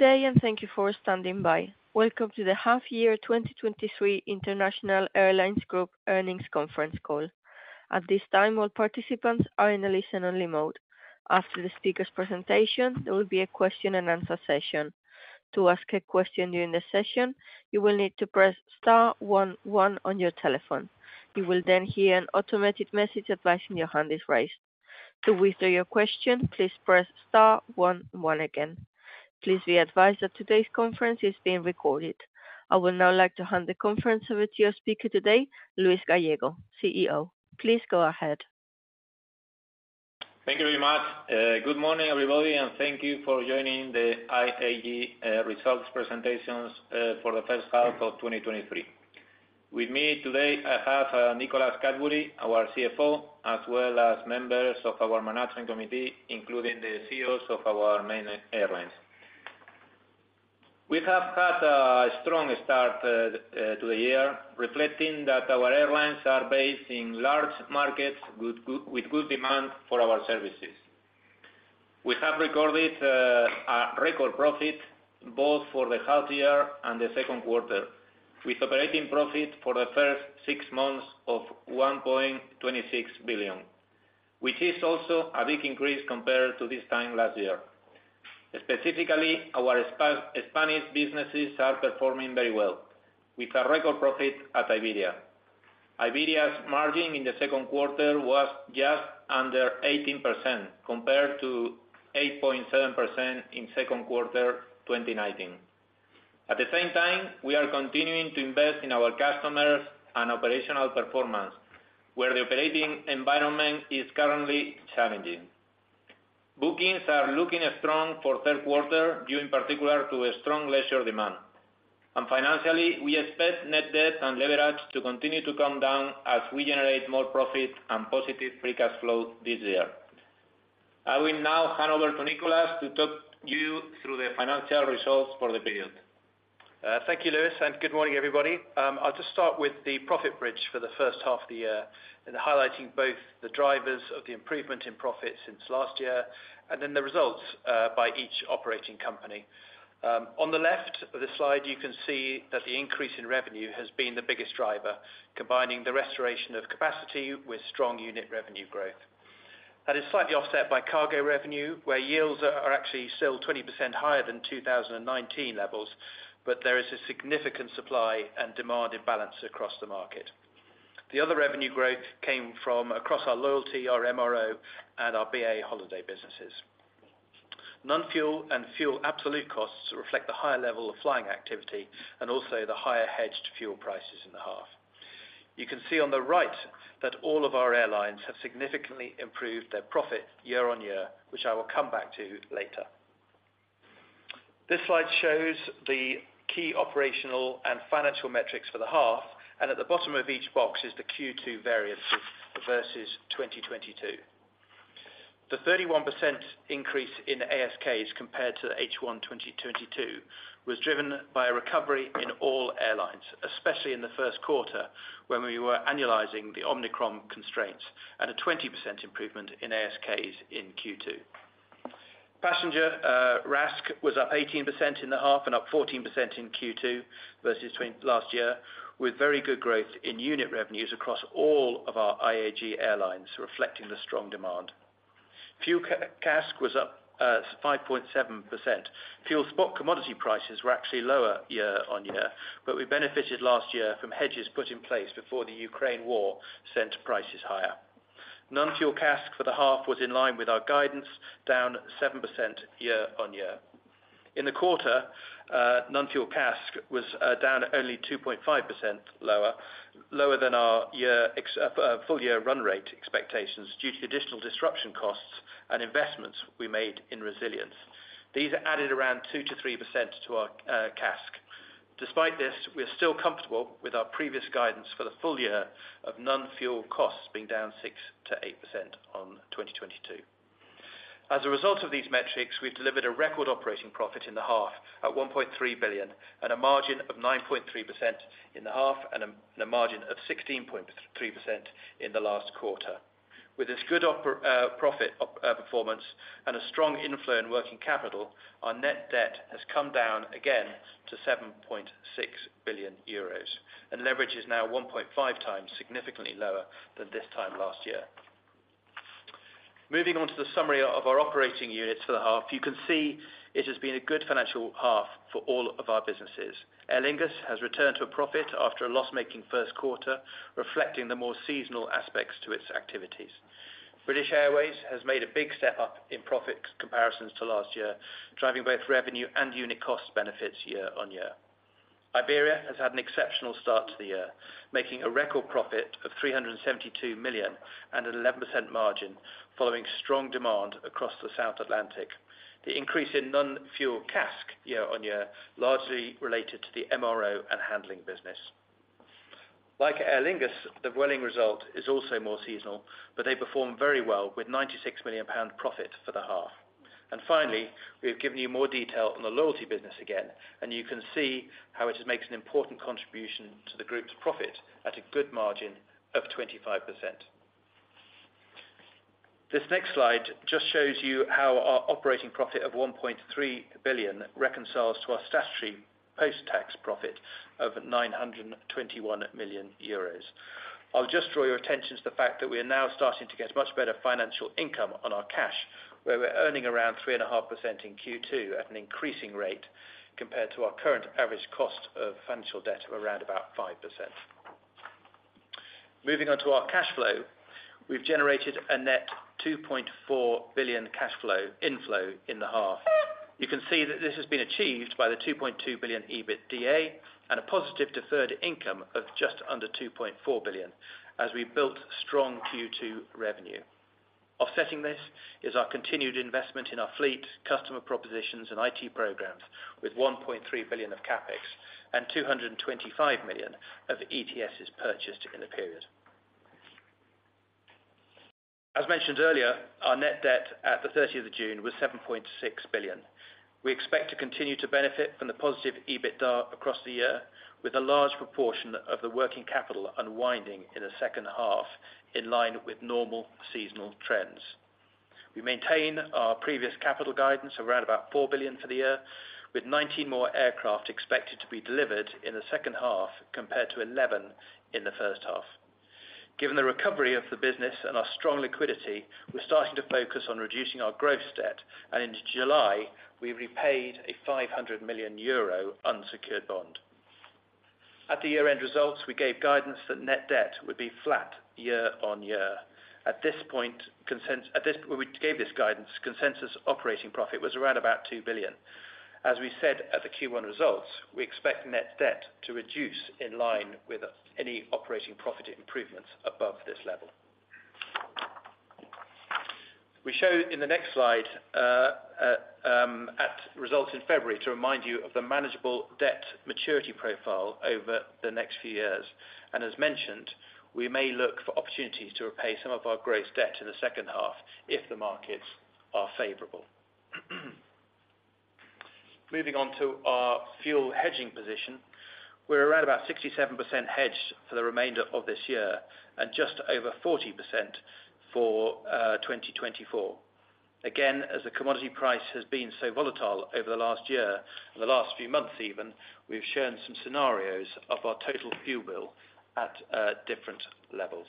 Good day. Thank you for standing by. Welcome to the Half Year 2023 International Airlines Group Earnings Conference Call. At this time, all participants are in a listen-only mode. After the speaker's presentation, there will be a question and answer session. To ask a question during the session, you will need to press star 1 1 on your telephone. You will then hear an automated message advising your hand is raised. To withdraw your question, please press star one one again. Please be advised that today's conference is being recorded. I would now like to hand the conference over to your speaker today, Luis Gallego, CEO. Please go ahead. Thank you very much. Good morning, everybody, thank you for joining the IAG results presentations for the first half of 2023. With me today, I have Nicholas Cadbury, our CFO, as well as members of our management committee, including the CEOs of our main airlines. We have had a strong start to the year, reflecting that our airlines are based in large markets, with good demand for our services. We have recorded a record profit both for the half year and the second quarter, with operating profit for the first six months of 1.26 billion, which is also a big increase compared to this time last year. Specifically, our Spanish businesses are performing very well, with a record profit at Iberia. Iberia's margin in the second quarter was just under 18%, compared to 8.7% in second quarter 2019. At the same time, we are continuing to invest in our customers and operational performance, where the operating environment is currently challenging. Bookings are looking strong for third quarter, due in particular to a strong leisure demand. Financially, we expect net debt and leverage to continue to come down as we generate more profit and positive free cash flow this year. I will now hand over to Nicholas to talk you through the financial results for the period. Thank you, Luis, good morning, everybody. I'll just start with the profit bridge for the first half of the year, highlighting both the drivers of the improvement in profit since last year, then the results by each operating company. On the left of the slide, you can see that the increase in revenue has been the biggest driver, combining the restoration of capacity with strong unit revenue growth. That is slightly offset by cargo revenue, where yields are actually still 20% higher than 2019 levels, there is a significant supply and demand imbalance across the market. The other revenue growth came from across our loyalty, our MRO, and our BA holiday businesses. Non-fuel and fuel absolute costs reflect the higher level of flying activity and also the higher hedged fuel prices in the half. You can see on the right that all of our airlines have significantly improved their profit year-on-year, which I will come back to later. This slide shows the key operational and financial metrics for the half. At the bottom of each box is the Q2 variances versus 2022. The 31% increase in the ASKs compared to the H1 2022 was driven by a recovery in all airlines, especially in the first quarter, when we were annualizing the Omicron constraints at a 20% improvement in ASKs in Q2. Passenger RASK was up 18% in the half and up 14% in Q2 versus last year, with very good growth in unit revenues across all of our IAG airlines, reflecting the strong demand. Fuel CASK was up 5.7%. Fuel spot commodity prices were actually lower year-on-year. We benefited last year from hedges put in place before the Ukraine war sent prices higher. Non-fuel CASK for the half was in line with our guidance, down 7% year-on-year. In the quarter, non-fuel CASK was down only 2.5% lower than our full year run rate expectations, due to additional disruption costs and investments we made in resilience. These added around 2%-3% to our CASK. Despite this, we are still comfortable with our previous guidance for the full year of non-fuel costs being down 6%-8% on 2022. As a result of these metrics, we've delivered a record operating profit in the half, at 1.3 billion, and a margin of 9.3% in the half, and a margin of 16.3% in the last quarter. With this good profit performance and a strong inflow in working capital, our net debt has come down again to 7.6 billion euros, and leverage is now 1.5 times, significantly lower than this time last year. Moving on to the summary of our operating units for the half, you can see it has been a good financial half for all of our businesses. Aer Lingus has returned to a profit after a loss-making first quarter, reflecting the more seasonal aspects to its activities. British Airways has made a big step up in profit comparisons to last year, driving both revenue and unit cost benefits year-on-year. Iberia has had an exceptional start to the year, making a record profit of 372 million and an 11% margin, following strong demand across the South Atlantic. The increase in non-fuel CASK year-on-year, largely related to the MRO and handling business. Like Aer Lingus, the Vueling result is also more seasonal, but they performed very well with EUR 96 million profit for the half. Finally, we have given you more detail on the loyalty business again, and you can see how it just makes an important contribution to the group's profit at a good margin of 25%. This next slide just shows you how our operating profit of 1.3 billion reconciles to our statutory post-tax profit of 921 million euros. I'll just draw your attention to the fact that we are now starting to get much better financial income on our cash, where we're earning around 3.5% in Q2 at an increasing rate compared to our current average cost of financial debt of around about 5%. Moving on to our cash flow, we've generated a net 2.4 billion cash flow inflow in the half. You can see that this has been achieved by the 2.2 billion EBITDA and a positive deferred income of just under 2.4 billion as we built strong Q2 revenue. Offsetting this, is our continued investment in our fleet, customer propositions, and IT programs, with 1.3 billion of CapEx and 225 million of ETSs purchased in the period. As mentioned earlier, our net debt at the 13th of June was 7.6 billion. We expect to continue to benefit from the positive EBITDA across the year, with a large proportion of the working capital unwinding in the second half, in line with normal seasonal trends. We maintain our previous capital guidance around about 4 billion for the year, with 19 more aircraft expected to be delivered in the second half, compared to 11 in the first half. Given the recovery of the business and our strong liquidity, we're starting to focus on reducing our gross debt. In July, we repaid a 500 million euro unsecured bond. At the year-end results, we gave guidance that net debt would be flat year-on-year. At this point, when we gave this guidance, consensus operating profit was around about 2 billion. As we said at the Q1 results, we expect net debt to reduce in line with any operating profit improvements above this level. We show in the next slide, at results in February to remind you of the manageable debt maturity profile over the next few years. As mentioned, we may look for opportunities to repay some of our gross debt in the second half if the markets are favorable. Moving on to our fuel hedging position, we're around about 67% hedged for the remainder of this year, and just over 40% for 2024. As the commodity price has been so volatile over the last year, and the last few months even, we've shown some scenarios of our total fuel bill at different levels.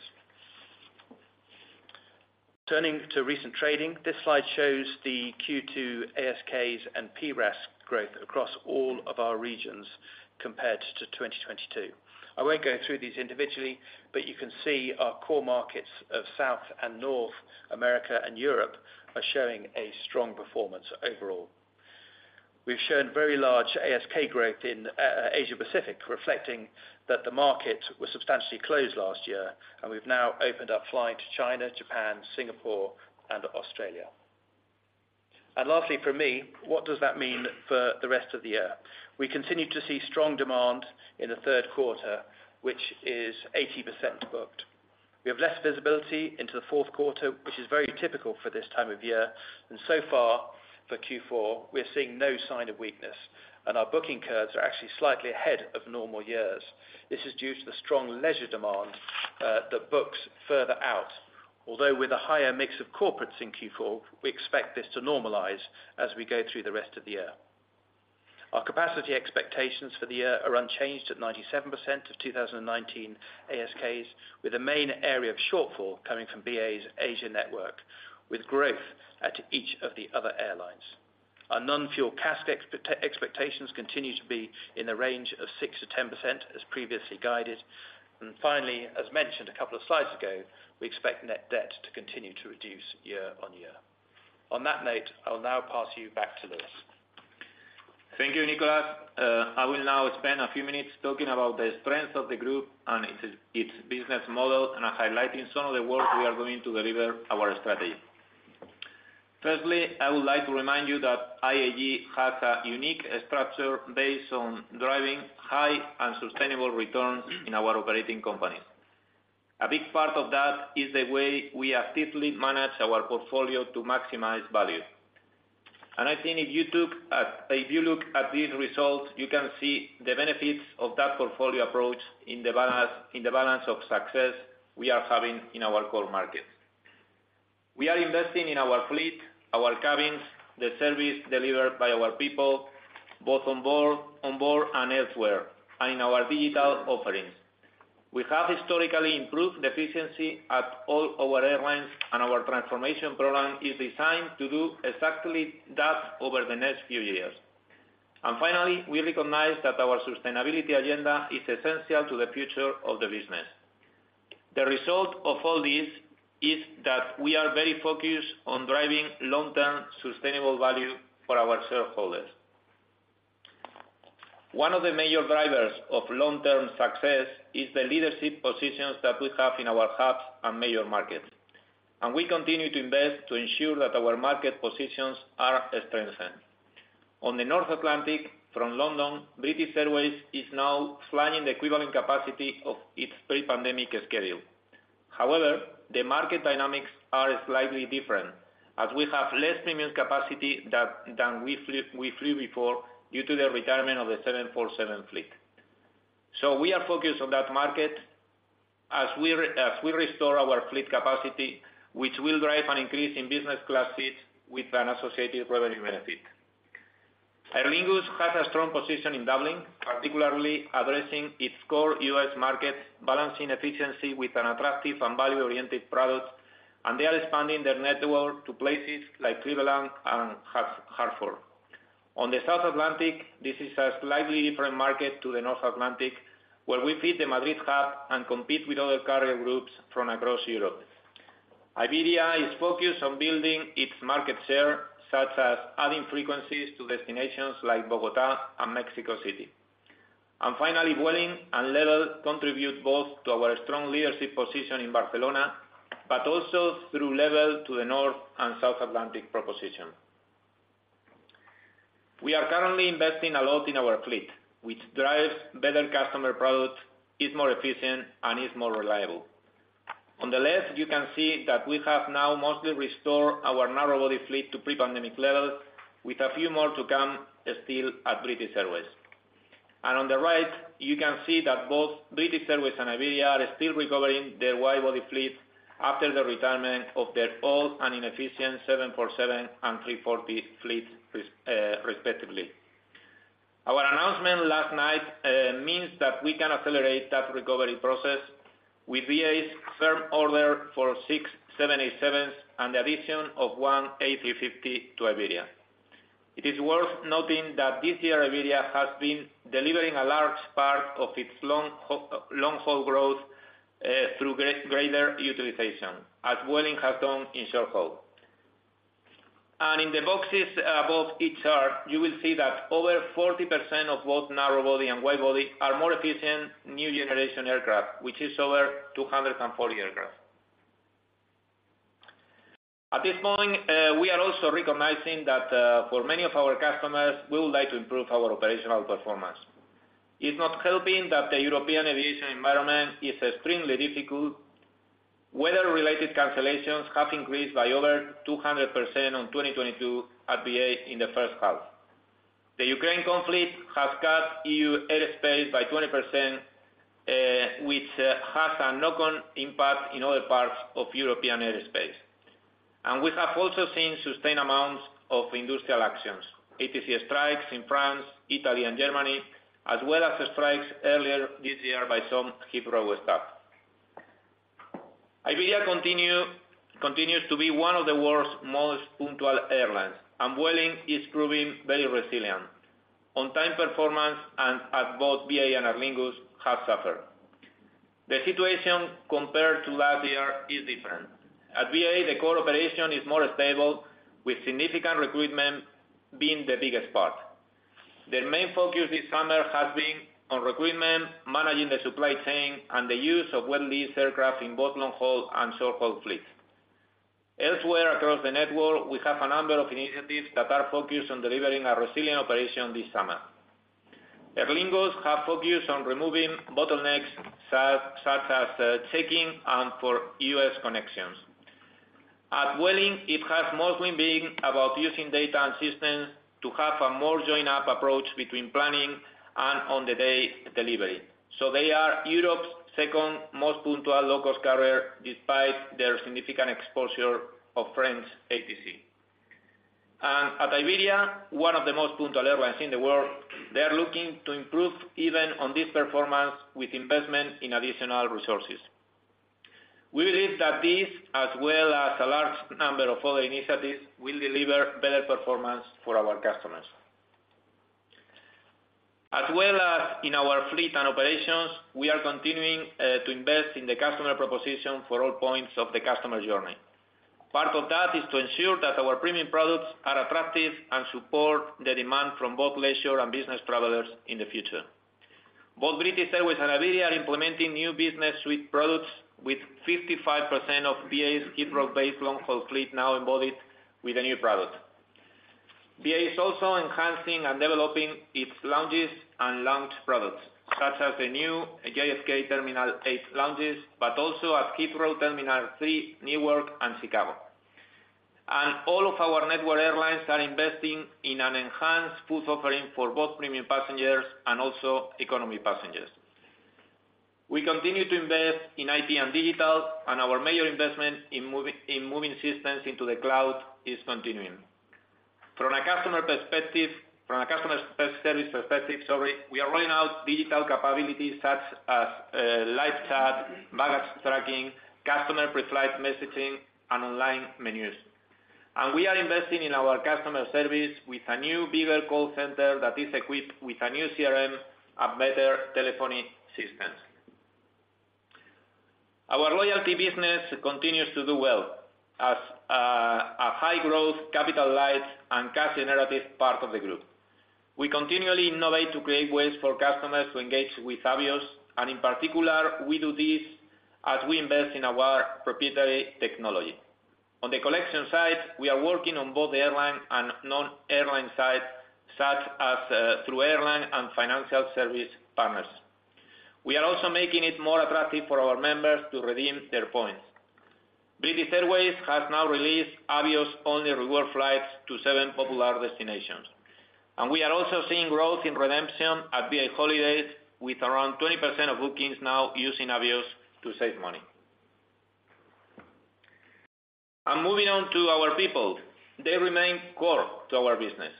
Turning to recent trading, this slide shows the Q2 ASKs and PRASK growth across all of our regions compared to 2022. I won't go through these individually, you can see our core markets of South and North America and Europe are showing a strong performance overall. We've shown very large ASK growth in Asia Pacific, reflecting that the market was substantially closed last year, we've now opened up flying to China, Japan, Singapore, and Australia. Lastly, for me, what does that mean for the rest of the year? We continue to see strong demand in the third quarter, which is 80% booked. We have less visibility into the fourth quarter, which is very typical for this time of year, and so far for Q4, we're seeing no sign of weakness, and our booking curves are actually slightly ahead of normal years. This is due to the strong leisure demand that books further out. Although, with a higher mix of corporates in Q4, we expect this to normalize as we go through the rest of the year. Our capacity expectations for the year are unchanged at 97% of 2019 ASKs, with the main area of shortfall coming from BA's Asia network, with growth at each of the other airlines. Our non-fuel CASK expectations continue to be in the range of 6%-10% as previously guided. Finally, as mentioned a couple of slides ago, we expect net debt to continue to reduce year-on-year. On that note, I will now pass you back to Luis. Thank you, Nicholas. I will now spend a few minutes talking about the strengths of the group and its business model, and highlighting some of the work we are doing to deliver our strategy. Firstly, I would like to remind you that IAG has a unique structure based on driving high and sustainable returns in our operating companies. A big part of that is the way we actively manage our portfolio to maximize value. I think if you look at these results, you can see the benefits of that portfolio approach in the balance of success we are having in our core markets. We are investing in our fleet, our cabins, the service delivered by our people, both on board and elsewhere, and in our digital offerings. We have historically improved the efficiency at all our airlines, and our transformation program is designed to do exactly that over the next few years. Finally, we recognize that our sustainability agenda is essential to the future of the business. The result of all this is that we are very focused on driving long-term sustainable value for our shareholders. One of the major drivers of long-term success is the leadership positions that we have in our hubs and major markets. We continue to invest to ensure that our market positions are strengthened. On the North Atlantic, from London, British Airways is now flying the equivalent capacity of its pre-pandemic schedule. However, the market dynamics are slightly different, as we have less premium capacity than we flew, we flew before due to the retirement of the 747 fleet. We are focused on that market as we restore our fleet capacity, which will drive an increase in business class seats with an associated revenue benefit. Aer Lingus has a strong position in Dublin, particularly addressing its core U.S. market, balancing efficiency with an attractive and value-oriented product, and they are expanding their network to places like Cleveland and Hartford. On the South Atlantic, this is a slightly different market to the North Atlantic, where we feed the Madrid hub and compete with other carrier groups from across Europe. Iberia is focused on building its market share, such as adding frequencies to destinations like Bogota and Mexico City. Finally, Vueling and LEVEL contribute both to our strong leadership position in Barcelona, but also through LEVEL to the North and South Atlantic proposition. We are currently investing a lot in our fleet, which drives better customer product, is more efficient, and is more reliable. On the left, you can see that we have now mostly restored our narrow-body fleet to pre-pandemic levels, with a few more to come, still at British Airways. On the right, you can see that both British Airways and Iberia are still recovering their wide-body fleet after the retirement of their old and inefficient 747 and A340 fleet respectively. Our announcement last night means that we can accelerate that recovery process with BA's firm order for six 787s, and the addition of one A350 to Iberia. It is worth noting that this year, Iberia has been delivering a large part of its long-haul growth through greater utilization, as Vueling has done in short-haul. In the boxes above each chart, you will see that over 40% of both narrow body and wide body are more efficient new generation aircraft, which is over 240 aircraft. At this moment, we are also recognizing that for many of our customers, we would like to improve our operational performance. It's not helping that the European aviation environment is extremely difficult. Weather-related cancellations have increased by over 200% on 2022 at BA in the first half. The Ukraine conflict has cut EU airspace by 20%, which has a knock-on impact in other parts of European airspace. We have also seen sustained amounts of industrial actions, ATC strikes in France, Italy, and Germany, as well as strikes earlier this year by some Heathrow staff. Iberia continues to be one of the world's most punctual airlines, and Vueling is proving very resilient. On-time performance at both BA and Aer Lingus have suffered. The situation compared to last year is different. At BA, the core operation is more stable, with significant recruitment being the biggest part. The main focus this summer has been on recruitment, managing the supply chain, and the use of wet leased aircraft in both long-haul and short-haul fleets. Elsewhere across the network, we have a number of initiatives that are focused on delivering a resilient operation this summer. Aer Lingus have focused on removing bottlenecks, such as checking for U.S. connections. At Vueling, it has mostly been about using data and systems to have a more joined-up approach between planning and on-the-day delivery. They are Europe's second most punctual low-cost carrier, despite their significant exposure of French ATC. At Iberia, one of the most punctual airlines in the world, they are looking to improve even on this performance with investment in additional resources. We believe that this, as well as a large number of other initiatives, will deliver better performance for our customers. As well as in our fleet and operations, we are continuing to invest in the customer proposition for all points of the customer journey. Part of that is to ensure that our premium products are attractive and support the demand from both leisure and business travelers in the future. Both British Airways and Iberia are implementing new business suite products with 55% of BA's Heathrow-based long-haul fleet now onboarded with the new product. BA is also enhancing and developing its lounges and lounge products, such as the new JFK Terminal eight lounges, but also at Heathrow Terminal three, Newark, and Chicago. All of our network airlines are investing in an enhanced food offering for both premium passengers and also economy passengers. We continue to invest in IT and digital, and our major investment in moving systems into the cloud is continuing. From a customer perspective, from a customer service perspective, sorry, we are rolling out digital capabilities such as live chat, baggage tracking, customer pre-flight messaging, and online menus. We are investing in our customer service with a new bigger call center that is equipped with a new CRM and better telephony systems. Our loyalty business continues to do well, as a high-growth, capital light, and cash generative part of the group. We continually innovate to create ways for customers to engage with Avios, and in particular, we do this as we invest in our proprietary technology. On the collection side, we are working on both the airline and non-airline side, such as, through airline and financial service partners. We are also making it more attractive for our members to redeem their points. British Airways has now released Avios-only reward flights to seven popular destinations. We are also seeing growth in redemption at BA Holidays, with around 20% of bookings now using Avios to save money. Moving on to our people, they remain core to our business.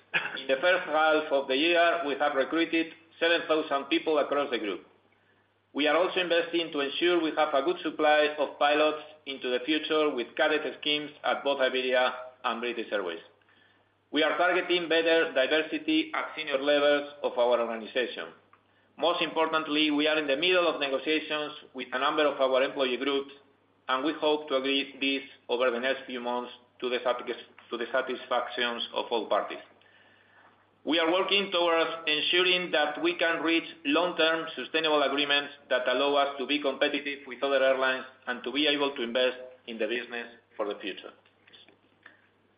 In the first half of the year, we have recruited 7,000 people across the group. We are also investing to ensure we have a good supply of pilots into the future, with career schemes at both Iberia and British Airways. We are targeting better diversity at senior levels of our organization. Most importantly, we are in the middle of negotiations with a number of our employee groups, and we hope to agree this over the next few months to the satisfactions of all parties. We are working towards ensuring that we can reach long-term sustainable agreements that allow us to be competitive with other airlines and to be able to invest in the business for the future.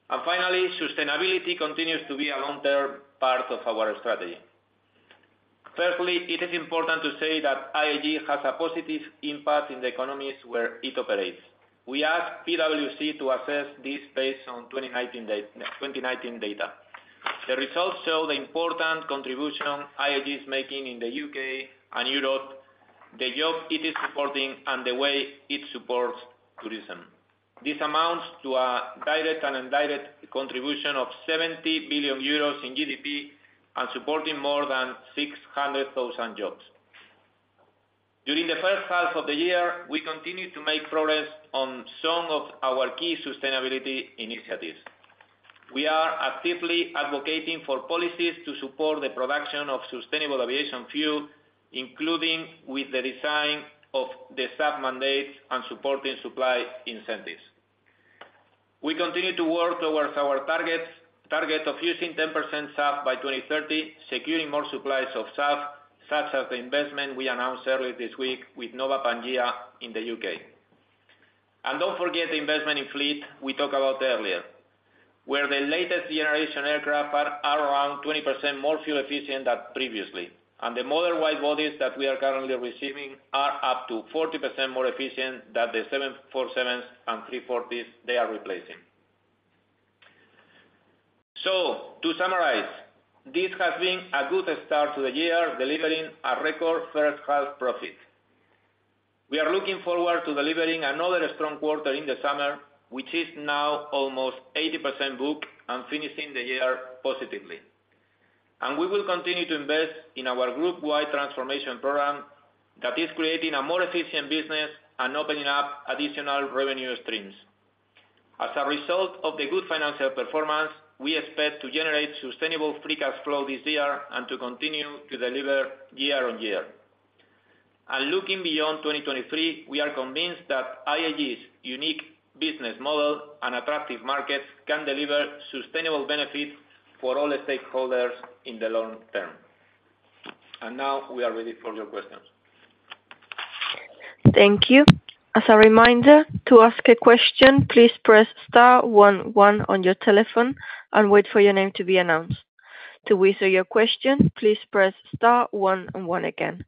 Finally, sustainability continues to be a long-term part of our strategy. Firstly, it is important to say that IAG has a positive impact in the economies where it operates. We asked PwC to assess this based on 2019 data. The results show the important contribution IAG is making in the U.K. and Europe, the job it is supporting, and the way it supports tourism. This amounts to a direct and indirect contribution of 70 billion euros in GDP and supporting more than 600,000 jobs. During the first half of the year, we continued to make progress on some of our key sustainability initiatives. We are actively advocating for policies to support the production of Sustainable Aviation Fuel, including with the design of the SAF mandate and supporting supply incentives. We continue to work towards our targets, target of using 10% SAF by 2030, securing more supplies of SAF, such as the investment we announced earlier this week with Nova Pangaea in the U.K. Don't forget the investment in fleet we talked about earlier, where the latest generation aircraft are around 20% more fuel efficient than previously. The modern wide bodies that we are currently receiving are up to 40% more efficient than the 747s and A340s they are replacing. To summarize, this has been a good start to the year, delivering a record first half profit. We are looking forward to delivering another strong quarter in the summer, which is now almost 80% booked and finishing the year positively. We will continue to invest in our group-wide transformation program that is creating a more efficient business and opening up additional revenue streams. As a result of the good financial performance, we expect to generate sustainable free cash flow this year and to continue to deliver year-on-year. Looking beyond 2023, we are convinced that IAG's unique business model and attractive markets can deliver sustainable benefits for all the stakeholders in the long term. Now we are ready for your questions. Thank you. As a reminder, to ask a question, please press star one one on your telephone and wait for your name to be announced. To withdraw your question, please press star one and one again.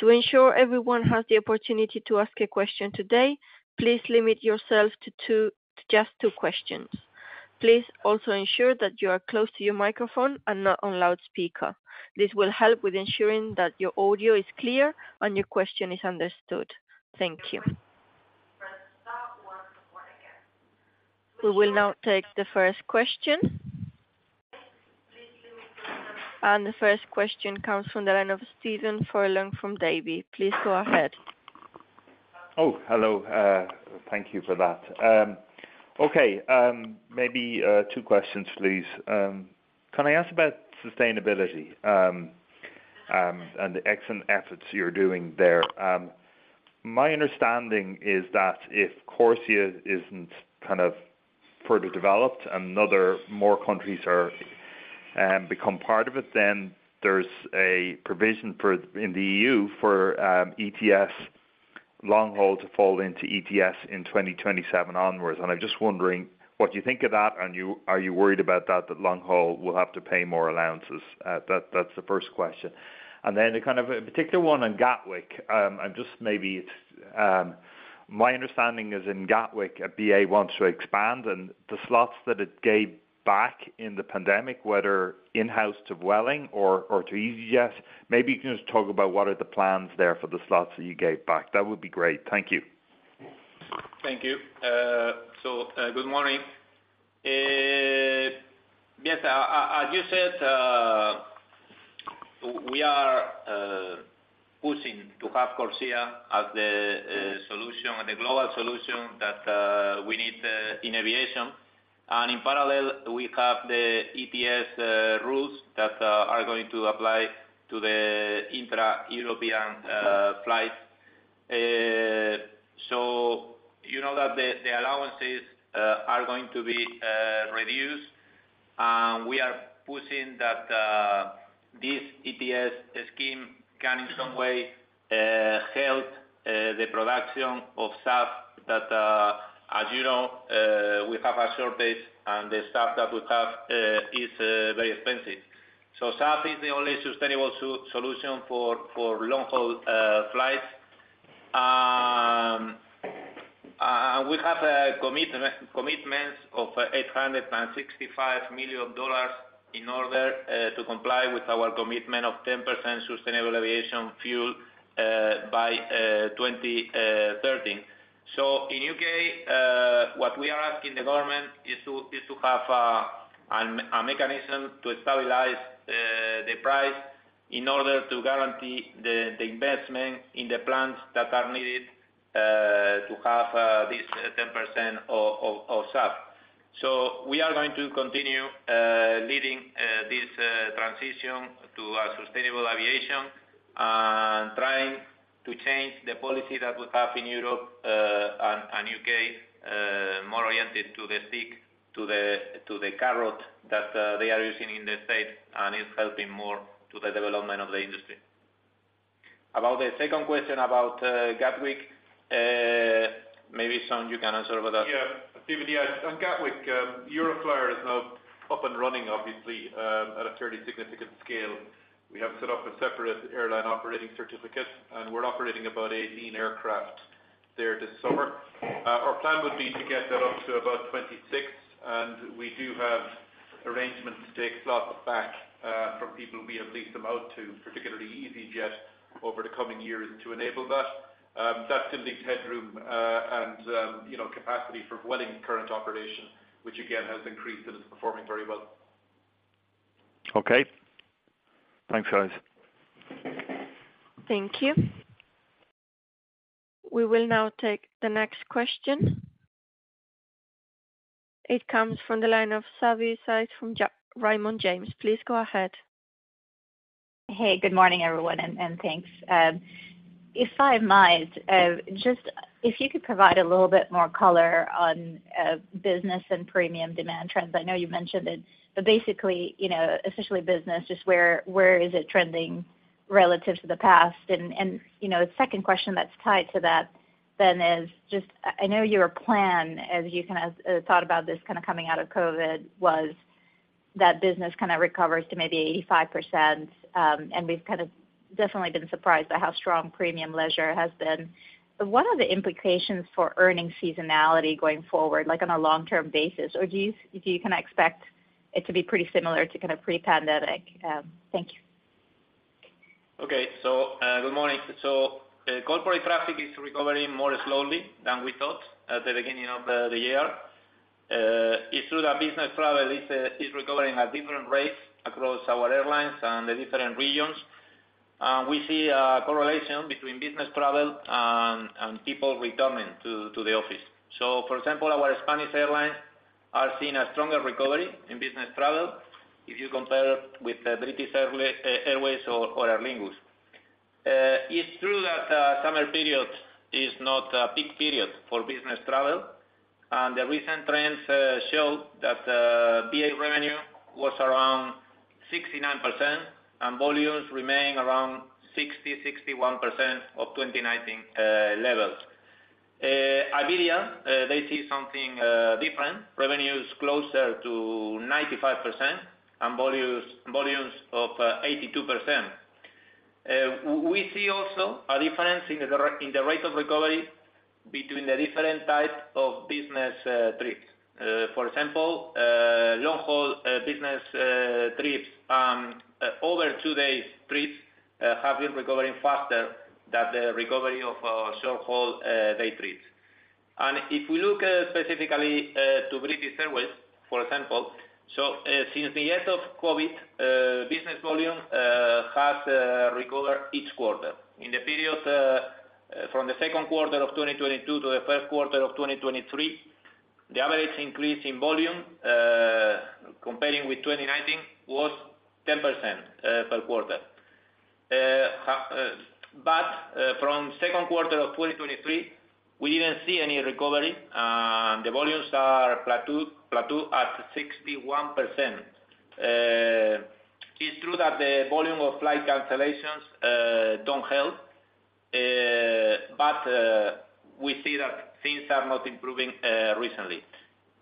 To ensure everyone has the opportunity to ask a question today, please limit yourself to just two questions. Please also ensure that you are close to your microphone and not on loudspeaker. This will help with ensuring that your audio is clear and your question is understood. Thank you. Press star one, one again. We will now take the first question. The first question comes from the line of Stephen Furlong from Davy. Please go ahead. Oh, hello, thank you for that. Okay, maybe two questions, please. Can I ask about sustainability? The excellent efforts you're doing there. My understanding is that if CORSIA isn't kind of further developed and other more countries are, become part of it, then there's a provision for, in the EU, for, ETS long-haul to fall into ETS in 2027 onwards. I'm just wondering what you think of that, and you-- are you worried about that, that long haul will have to pay more allowances? That, that's the first question. Then a kind of a particular one on Gatwick. I'm just maybe it's, my understanding is in Gatwick, a BA wants to expand, and the slots that it gave back in the pandemic, whether in-house to Vueling or, or to easyJet. Maybe you can just talk about what are the plans there for the slots that you gave back. That would be great. Thank you. Thank you. Good morning. Yes, as you said, we are pushing to have CORSIA as the solution and the global solution that we need in aviation. In parallel, we have the ETS rules that are going to apply to the intra-European flights. You know that the allowances are going to be reduced. We are pushing that this ETS scheme can in some way help the production of staff that, as you know, we have a shortage, and the staff that we have, is very expensive. SAF is the only sustainable solution for long-haul flights. We have a commitment, commitments of $865 million in order to comply with our commitment of 10% Sustainable Aviation Fuel by 2030. In U.K., what we are asking the government is to have a mechanism to stabilize the price in order to guarantee the investment in the plants that are needed to have this 10% of SAF. We are going to continue leading this transition to a sustainable aviation, and trying to change the policy that we have in Europe and U.K. more oriented to the stick, to the carrot that they are using in the States, and it's helping more to the development of the industry. About the second question about Gatwick, maybe, Sean, you can answer about that? Yeah, David, yeah, on Gatwick, Euroflyer is now up and running, obviously, at a fairly significant scale. We have set up a separate airline operating certificate. We're operating about 18 aircraft there this summer. Our plan would be to get that up to about 26, and we do have arrangements to take slots back, from people we have leased them out to, particularly easyJet, over the coming years to enable that. That's simply headroom, and, you know, capacity for wedding current operation, which again, has increased, and it's performing very well. Okay. Thanks, guys. Thank you. We will now take the next question. It comes from the line of Savi Syth, from Raymond James. Please go ahead. Hey, good morning, everyone, and, and thanks. If I might, just if you could provide a little bit more color on business and premium demand trends. I know you mentioned it, but basically, you know, essentially business, just where, where is it trending relative to the past? The second question that's tied to that then is just, I know your plan, as you kind of thought about this kind of coming out of COVID, was that business kind of recovers to maybe 85%. We've kind of definitely been surprised at how strong premium leisure has been. What are the implications for earning seasonality going forward, like on a long-term basis? Do you, do you kind of expect it to be pretty similar to kind of pre-pandemic? Thank you. Okay. Good morning. Corporate traffic is recovering more slowly than we thought at the beginning of the year. It's true that business travel is recovering at different rates across our airlines and the different regions. We see a correlation between business travel and people returning to the office. For example, our Spanish airlines are seeing a stronger recovery in business travel if you compare with the British Airways or Aer Lingus. It's true that summer period is not a peak period for business travel, the recent trends show that BA revenue was around 69%, and volumes remain around 60%-61% of 2019 levels. Iberia, they see something different. Revenues closer to 95% and volumes of 82%. We see also a difference in the rate of recovery between the different type of business trips. For example, long-haul business trips over two days trips have been recovering faster than the recovery of short-haul day trips. If we look specifically to British Airways, for example, since the end of COVID, business volume has recovered each quarter. In the period from the second quarter of 2022 to the first quarter of 2023, the average increase in volume comparing with 2019, was 10% per quarter. From second quarter of 2023, we didn't see any recovery, and the volumes are plateau at 61%. It's true that the volume of flight cancellations don't help, we see that things are not improving recently.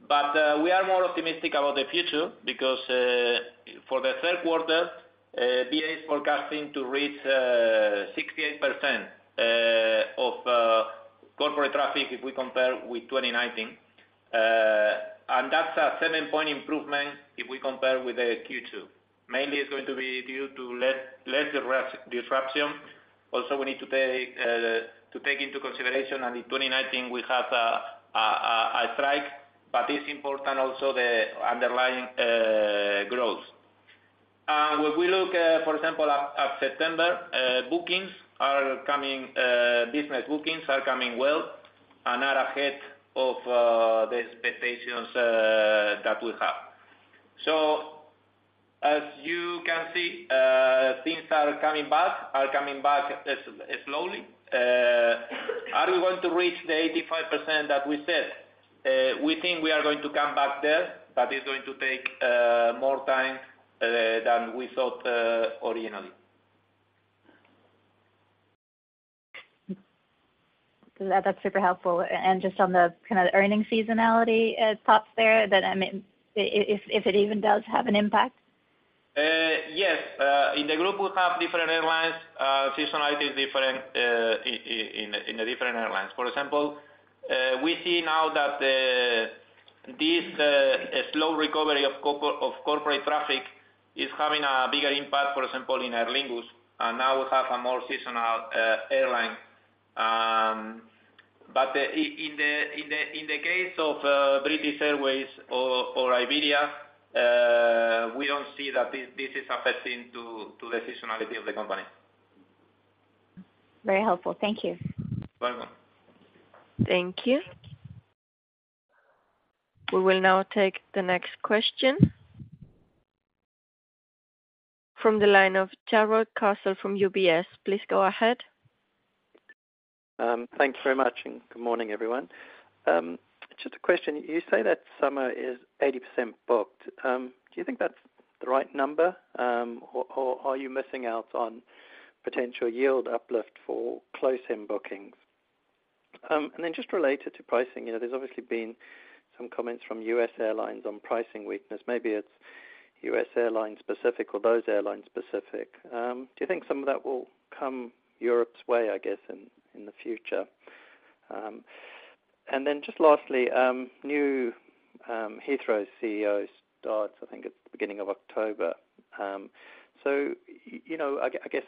We are more optimistic about the future because for the third quarter, BA is forecasting to reach 68% of corporate traffic if we compare with 2019. That's a seven-point improvement if we compare with the Q2. Mainly, it's going to be due to less, less disruption. Also, we need to take into consideration that in 2019, we had a strike, it's important also the underlying growth. When we look, for example, at September, bookings are coming, business bookings are coming well and are ahead of the expectations that we have. As you can see, things are coming back, are coming back slowly. Are we going to reach the 85% that we said? We think we are going to come back there, but it's going to take more time than we thought originally. That's super helpful. Just on the kind of earning seasonality at tops there, that, I mean, if it even does have an impact? Yes. In the group, we have different airlines. Seasonality is different in the different airlines. For example, we see now that this slow recovery of corporate traffic is having a bigger impact, for example, in Aer Lingus, and now we have a more seasonal airline. In the case of British Airways or Iberia, we don't see that this is affecting to the seasonality of the company. Very helpful. Thank you. Bye-bye. Thank you. We will now take the next question. From the line of Jarrod Castle from UBS, please go ahead. Thank you very much, and good morning, everyone. Just a question. You say that summer is 80% booked. Do you think that's the right number? Or, or are you missing out on potential yield uplift for close-in bookings? Then just related to pricing, you know, there's obviously been some comments from US Airlines on pricing weakness. Maybe it's US Airline specific or those airline specific. Do you think some of that will come Europe's way, I guess, in, in the future? Then just lastly, new Heathrow CEO starts, I think, at the beginning of October. You know, I guess,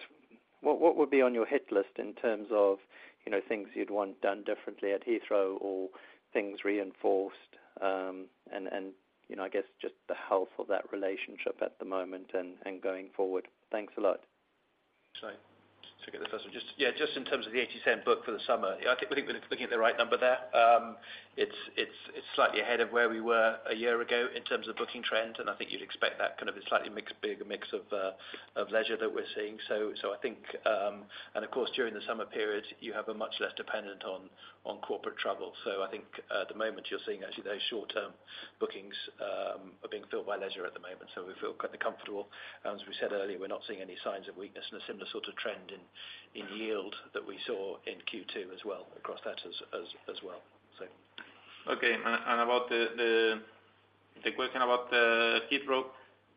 what, what would be on your hit list in terms of, you know, things you'd want done differently at Heathrow or things reinforced? And, you know, I guess just the health of that relationship at the moment and, and going forward. Thanks a lot. Sorry, to get the first one. Just, yeah, just in terms of the 80% book for the summer, yeah, I think we're looking at the right number there. It's, it's, it's slightly ahead of where we were a year ago in terms of booking trend, and I think you'd expect that kind of a slightly mixed, bigger mix of leisure that we're seeing. Of course, during the summer period, you have a much less dependent on, on corporate travel. I think at the moment, you're seeing actually those short-term bookings are being filled by leisure at the moment, so we feel quite comfortable. As we said earlier, we're not seeing any signs of weakness and a similar sort of trend in, in yield that we saw in Q2 as well, across that as, as, as well. Okay. About the question about Heathrow.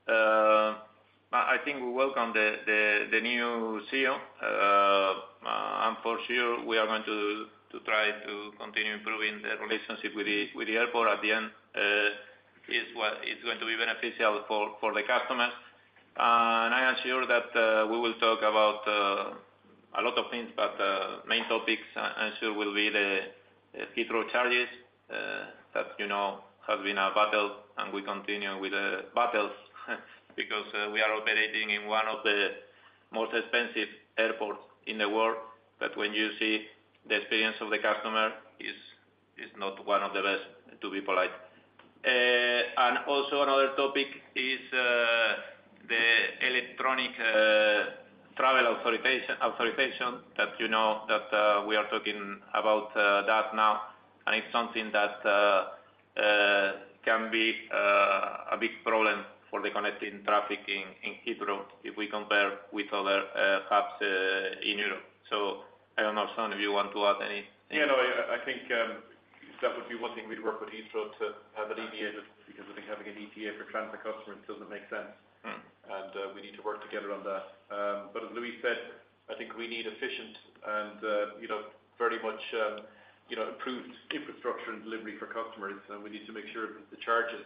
I think we welcome the new CEO. For sure, we are going to try to continue improving the relationship with the airport. At the end, is what is going to be beneficial for the customers. I am sure that we will talk about a lot of things, main topics, I'm sure will be the Heathrow charges that, you know, have been a battle, and we continue with the battles because we are operating in one of the most expensive airports in the world. When you see the experience of the customer, is not one of the best, to be polite. Also another topic is the electronic travel authoritation, authorization that you know, that we are talking about that now. It's something that can be a big problem for the connecting traffic in Heathrow if we compare with other hubs in Europe. I don't know, Sean, if you want to add anything. Yeah, no, I, I think, that would be one thing we'd work with Heathrow to have it alleviated, because I think having an ETA for transfer customers doesn't make sense. Mm-hmm. We need to work together on that. As Luis said, I think we need efficient and, you know, very much, you know, improved infrastructure and delivery for customers, and we need to make sure that the charges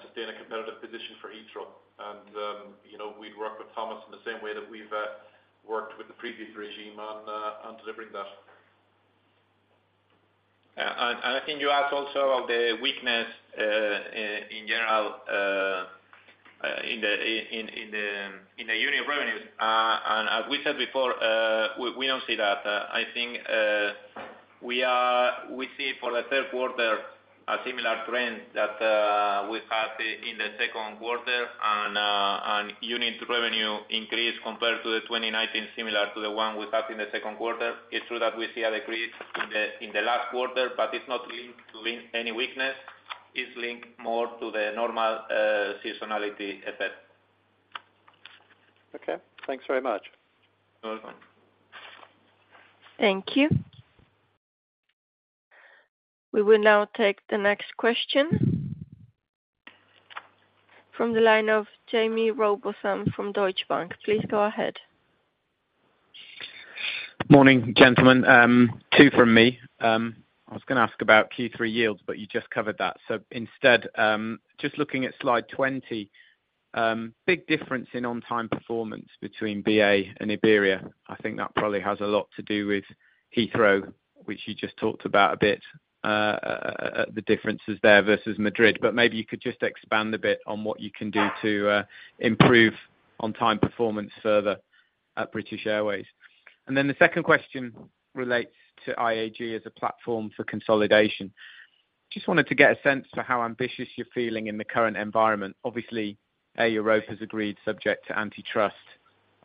sustain a competitive position for Heathrow. We'd work with Thomas in the same way that we've worked with the previous regime on delivering that. I think you asked also of the weakness in general in the unit revenues. As we said before, we don't see that. I think we are - we see for the third quarter, a similar trend that we had in the second quarter. Unit revenue increase compared to the 2019, similar to the one we had in the second quarter. It's true that we see a decrease in the last quarter, but it's not linked to any weakness. It's linked more to the normal seasonality effect. Okay. Thanks very much. You're welcome. Thank you. We will now take the next question. From the line of Jamie Robison from Deutsche Bank. Please go ahead. Morning, gentlemen. Two from me. I was gonna ask about Q3 yields, but you just covered that. Instead, just looking at S`lide 20, big difference in on-time performance between BA and Iberia. I think that probably has a lot to do with Heathrow, which you just talked about a bit, the differences there versus Madrid. Maybe you could just expand a bit on what you can do to improve on-time performance further at British Airways. The second question relates to IAG as a platform for consolidation. Just wanted to get a sense for how ambitious you're feeling in the current environment. Obviously, Air Europa has agreed subject to antitrust.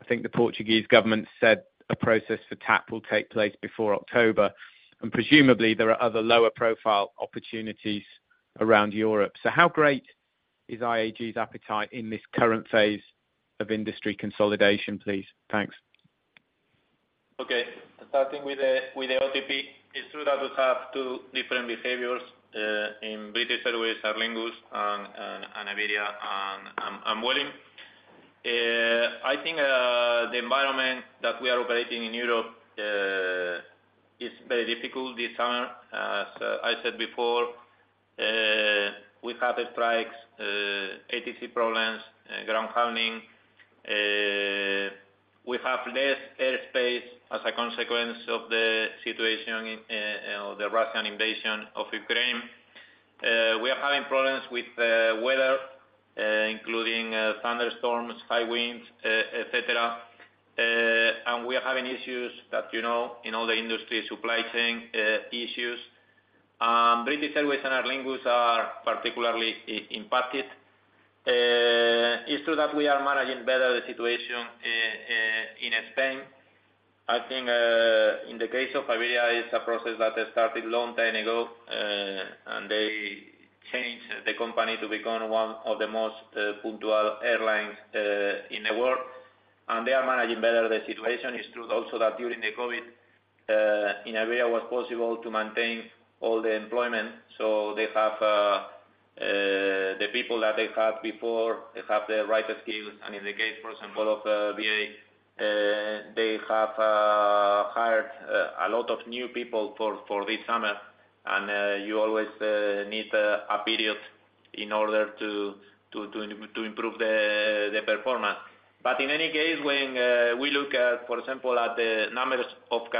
I think the Portuguese government said a process for TAP will take place before October, and presumably, there are other lower profile opportunities around Europe. How great- is IAG's appetite in this current phase of industry consolidation, please? Thanks. Okay. Starting with the OTP, it's true that we have two different behaviors in British Airways, Aer Lingus, and Iberia and Vueling. I think the environment that we are operating in Europe is very difficult this summer. As I said before, we have strikes, ATC problems, ground handling. We have less airspace as a consequence of the situation in the Russian invasion of Ukraine. We are having problems with weather, including thunderstorms, high winds, et cetera. We are having issues that, you know, in all the industry, supply chain issues. British Airways and Aer Lingus are particularly impacted. It's true that we are managing better the situation in Spain. I think, in the case of Iberia, it's a process that has started long time ago, and they changed the company to become one of the most punctual airlines in the world, and they are managing better the situation. It's true also that during the COVID, in Iberia, was possible to maintain all the employment, so they have the people that they had before, they have the right skills. In the case, for example, of BA, they have hired a lot of new people for, for this summer, and you always need a period in order to improve the performance. In any case, when we look at, for example, at the number of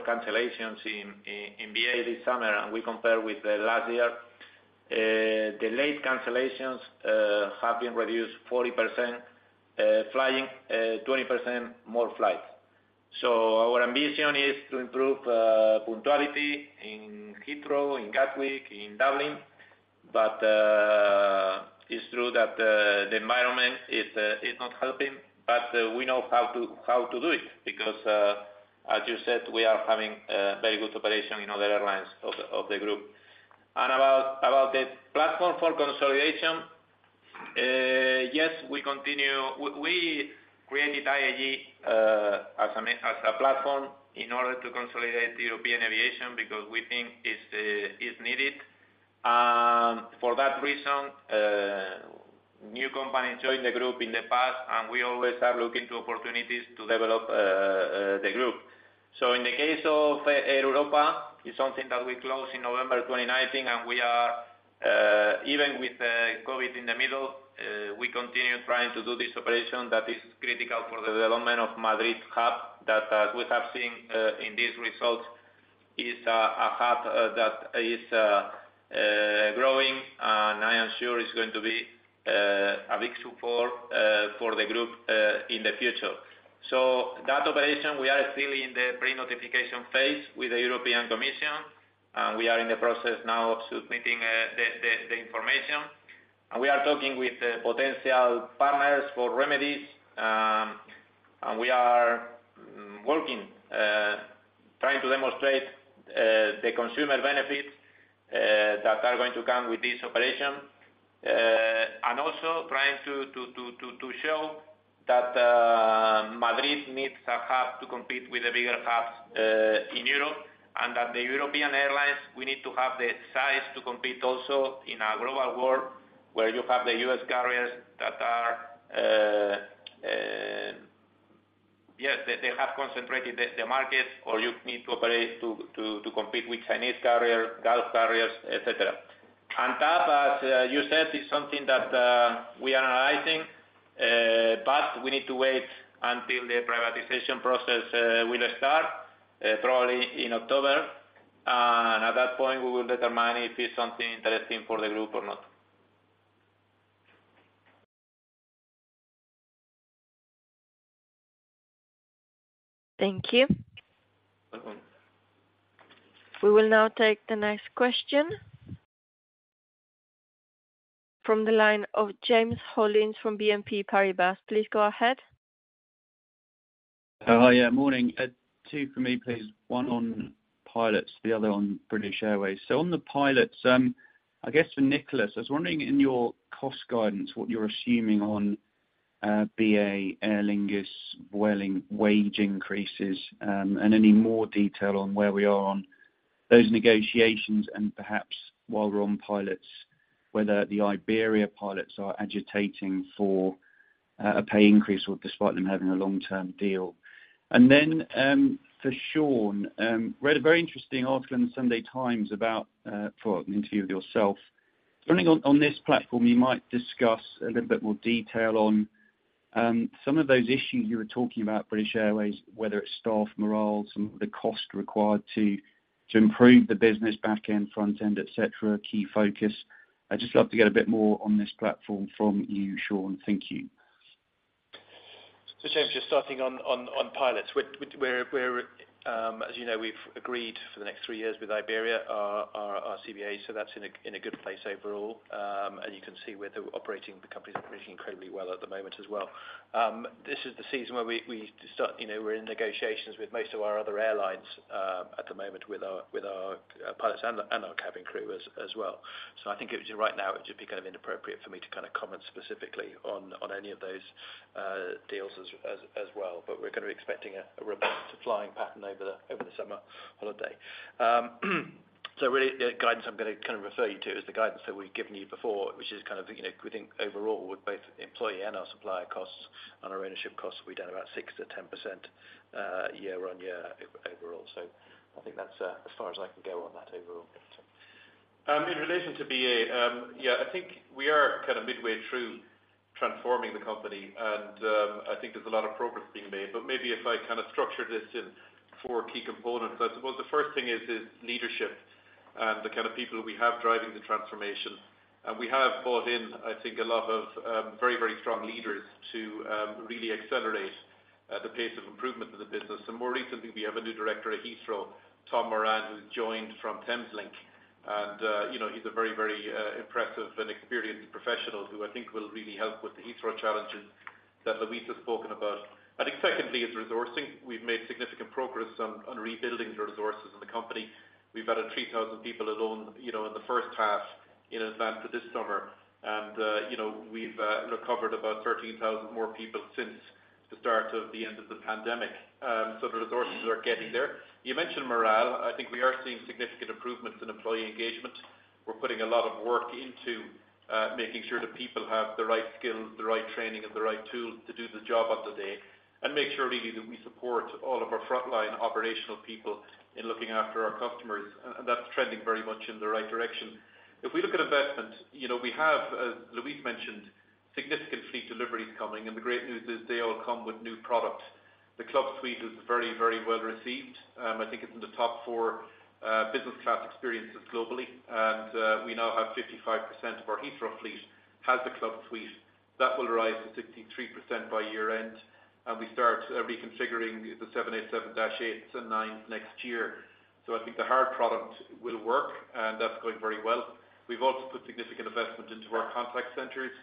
cancellations in BA this summer, and we compare with last year, the late cancellations have been reduced 40%, flying 20% more flights. Our ambition is to improve punctuality in Heathrow, in Gatwick, in Dublin. It's true that the environment is not helping, but we know how to do it, because as you said, we are having very good operation in other airlines of the group. About, about the platform for consolidation, yes, we continue. We created IAG as a platform in order to consolidate the European aviation, because we think it's needed. For that reason, new companies joined the group in the past, and we always are looking to opportunities to develop the group. In the case of Air Europa, is something that we closed in November 2019, and we are even with COVID in the middle, we continue trying to do this operation that is critical for the development of Madrid's hub. That, as we have seen, in these results, is a, a hub, that is, growing, and I am sure is going to be a big support for the group in the future. That operation, we are still in the pre-notification phase with the European Commission, and we are in the process now of submitting the, the, the information. We are talking with the potential partners for remedies, and we are working trying to demonstrate the consumer benefits that are going to come with this operation. Also trying to show that Madrid needs a hub to compete with the bigger hubs in Europe, and that the European airlines, we need to have the size to compete also in a global world, where you have the U.S. carriers that are... Yes, they have concentrated the market, or you need to operate to compete with Chinese carriers, Gulf carriers, et cetera. That, as you said, is something that we are analyzing, but we need to wait until the privatization process will start probably in October. At that point, we will determine if it's something interesting for the group or not. Thank you. Uh-huh. We will now take the next question. From the line of James Hollins from BNP Paribas. Please go ahead. Hi, yeah, morning. 2 for me, please. 1 on pilots, the other on British Airways. On the pilots, I guess for Nicholas, I was wondering in your cost guidance, what you're assuming on BA, Aer Lingus, Vueling wage increases, and any more detail on where we are on those negotiations. Perhaps while we're on pilots, whether the Iberia pilots are agitating for a pay increase or despite them having a long-term deal? For Sean, read a very interesting article in the Sunday Times about for an interview with yourself. Wondering on, on this platform, you might discuss a little bit more detail on some of those issues you were talking about British Airways, whether it's staff morale, some of the cost required to improve the business, back-end, front end, et cetera, key focus. I'd just love to get a bit more on this platform from you, Sean. Thank you. James, just starting on pilots. we're. As you know, we've agreed for the next three years with Iberia, our, our, our CBA, so that's in a, in a good place overall. You can see we're operating the company's operating incredibly well at the moment as well. This is the season where we, we start, you know, we're in negotiations with most of our other airlines, at the moment with our, with our pilots and our, and our cabin crew as, as well. I think it right now, it would just be kind of inappropriate for me to kind of comment specifically on, on any of those deals as, as, as well. We're gonna be expecting a, a robust flying pattern over the, over the summer holiday. Really the guidance I'm gonna kind of refer you to, is the guidance that we've given you before, which is kind of, you know, we think overall with both employee and our supplier costs and our ownership costs, we're down about 6%-10%, year-on-year over-overall. I think that's, as far as I can go on that overall. In relation to BA, yeah, I think we are kind of midway through transforming the company, I think there's a lot of progress being made, maybe if I kind of structure this in four key components. I suppose the first thing is, is leadership, and the kind of people we have driving the transformation. We have brought in, I think, a lot of very, very strong leaders to really accelerate the pace of improvement in the business. More recently, we have a new director at Heathrow, Tom Moran, who joined from Thameslink, and, you know, he's a very, very impressive and experienced professional, who I think will really help with the Heathrow challenges that Luis has spoken about. I think secondly, is resourcing. We've made significant progress on, on rebuilding the resources in the company. We've added 3,000 people alone, you know, in the first half, in advance of this summer. You know, we've recovered about 13,000 more people since the start of the end of the pandemic. The resources are getting there. You mentioned morale. I think we are seeing significant improvements in employee engagement. We're putting a lot of work into making sure the people have the right skills, the right training, and the right tools to do the job on the day. Make sure really, that we support all of our frontline operational people in looking after our customers, and that's trending very much in the right direction. If we look at investment, you know, we have, as Luis mentioned, significant fleet deliveries coming, and the great news is they all come with new product. The Club Suite is very, very well received. I think it's in the top four business class experiences globally. We now have 55% of our Heathrow fleet has the Club Suite. That will rise to 63% by year end. We start reconfiguring the 787-8s and 9s next year. I think the hard product will work. That's going very well. We've also put significant investment into our contact centers.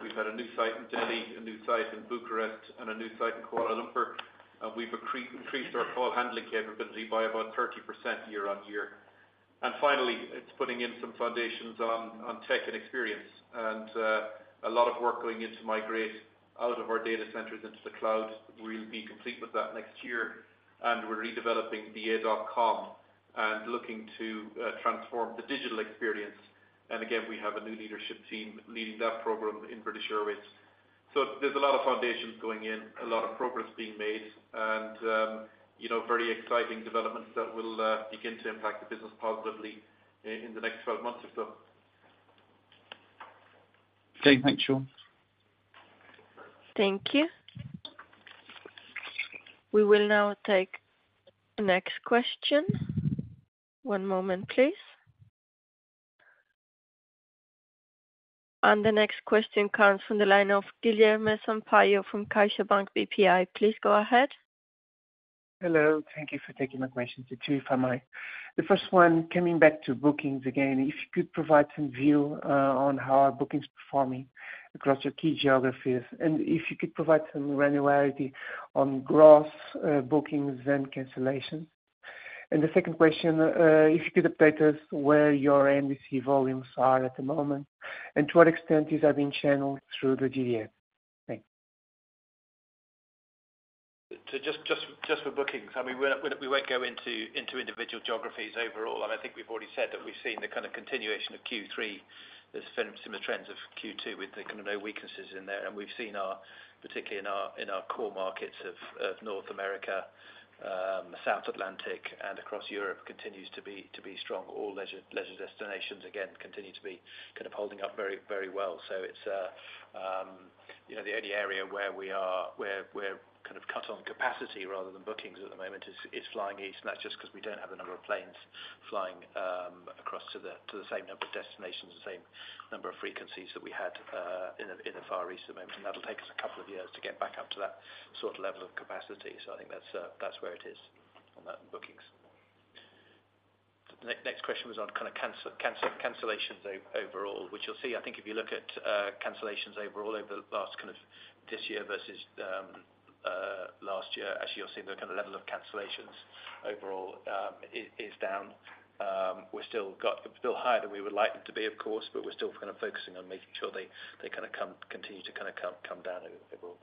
We've had a new site in Delhi, a new site in Bucharest, and a new site in Kuala Lumpur. We've increased our call handling capability by about 30% year-on-year. Finally, it's putting in some foundations on tech and experience. A lot of work going in to migrate out of our data centers into the cloud. We'll be complete with that next year. We're redeveloping BA.com and looking to transform the digital experience. Again, we have a new leadership team leading that program in British Airways. There's a lot of foundations going in, a lot of progress being made, and, you know, very exciting developments that will begin to impact the business positively in the next 12 months or so. Okay, thanks, Sean. Thank you. We will now take the next question. One moment, please. The next question comes from the line of Guilherme Sampaio from Caixa Bank BPI. Please go ahead. Hello, thank you for taking my question. Two, if I might. The first one, coming back to bookings again, if you could provide some view on how are bookings performing across your key geographies, and if you could provide some granularity on gross bookings and cancellations? The second question, if you could update us where your NDC volumes are at the moment, and to what extent these are being channeled through the GDS? Thanks. To just with bookings, I mean, we're, we won't go into individual geographies overall. I think we've already said that we've seen the kind of continuation of Q3. There's been similar trends of Q2, with the kind of no weaknesses in there. We've seen our, particularly in our, in our core markets of North America, South Atlantic, and across Europe, continues to be, to be strong. All leisure, leisure destinations, again, continue to be kind of holding up very, very well. It's, you know, the only area where we are, where we're kind of cut on capacity rather than bookings at the moment, is, is flying east, and that's just because we don't have the number of planes flying across to the, to the same number of destinations, the same number of frequencies that we had in the, in the Far East at the moment. That'll take us two years to get back up to that sort of level of capacity. I think that's, that's where it is on that bookings. The next question was on kind of cancel, cancel- cancellations overall. Which you'll see, I think if you look at cancellations overall over the last kind of this year versus last year, actually, you'll see the kind of level of cancellations overall, is, is down. We've still got still higher than we would like them to be, of course, but we're still kind of focusing on making sure they, they kind of continue to kind of come, come down overall.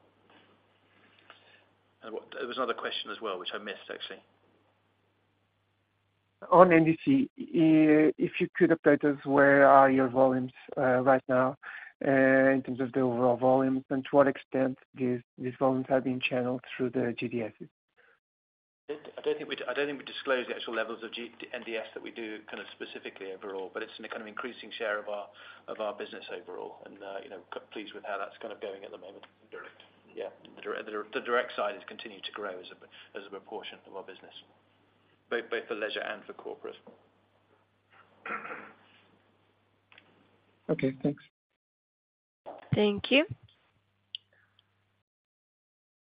What-- There was another question as well, which I missed, actually. On NDC, if you could update us, where are your volumes, right now, in terms of the overall volumes, and to what extent these volumes are being channeled through the GDSes? I don't think we, I don't think we disclose the actual levels of GNDS that we do, kind of, specifically overall, but it's in a, kind of, increasing share of our, of our business overall. You know, pleased with how that's kind of going at the moment. Direct. Yeah. The direct side has continued to grow as a, as a proportion of our business, both, both for leisure and for corporate. Okay, thanks. Thank you.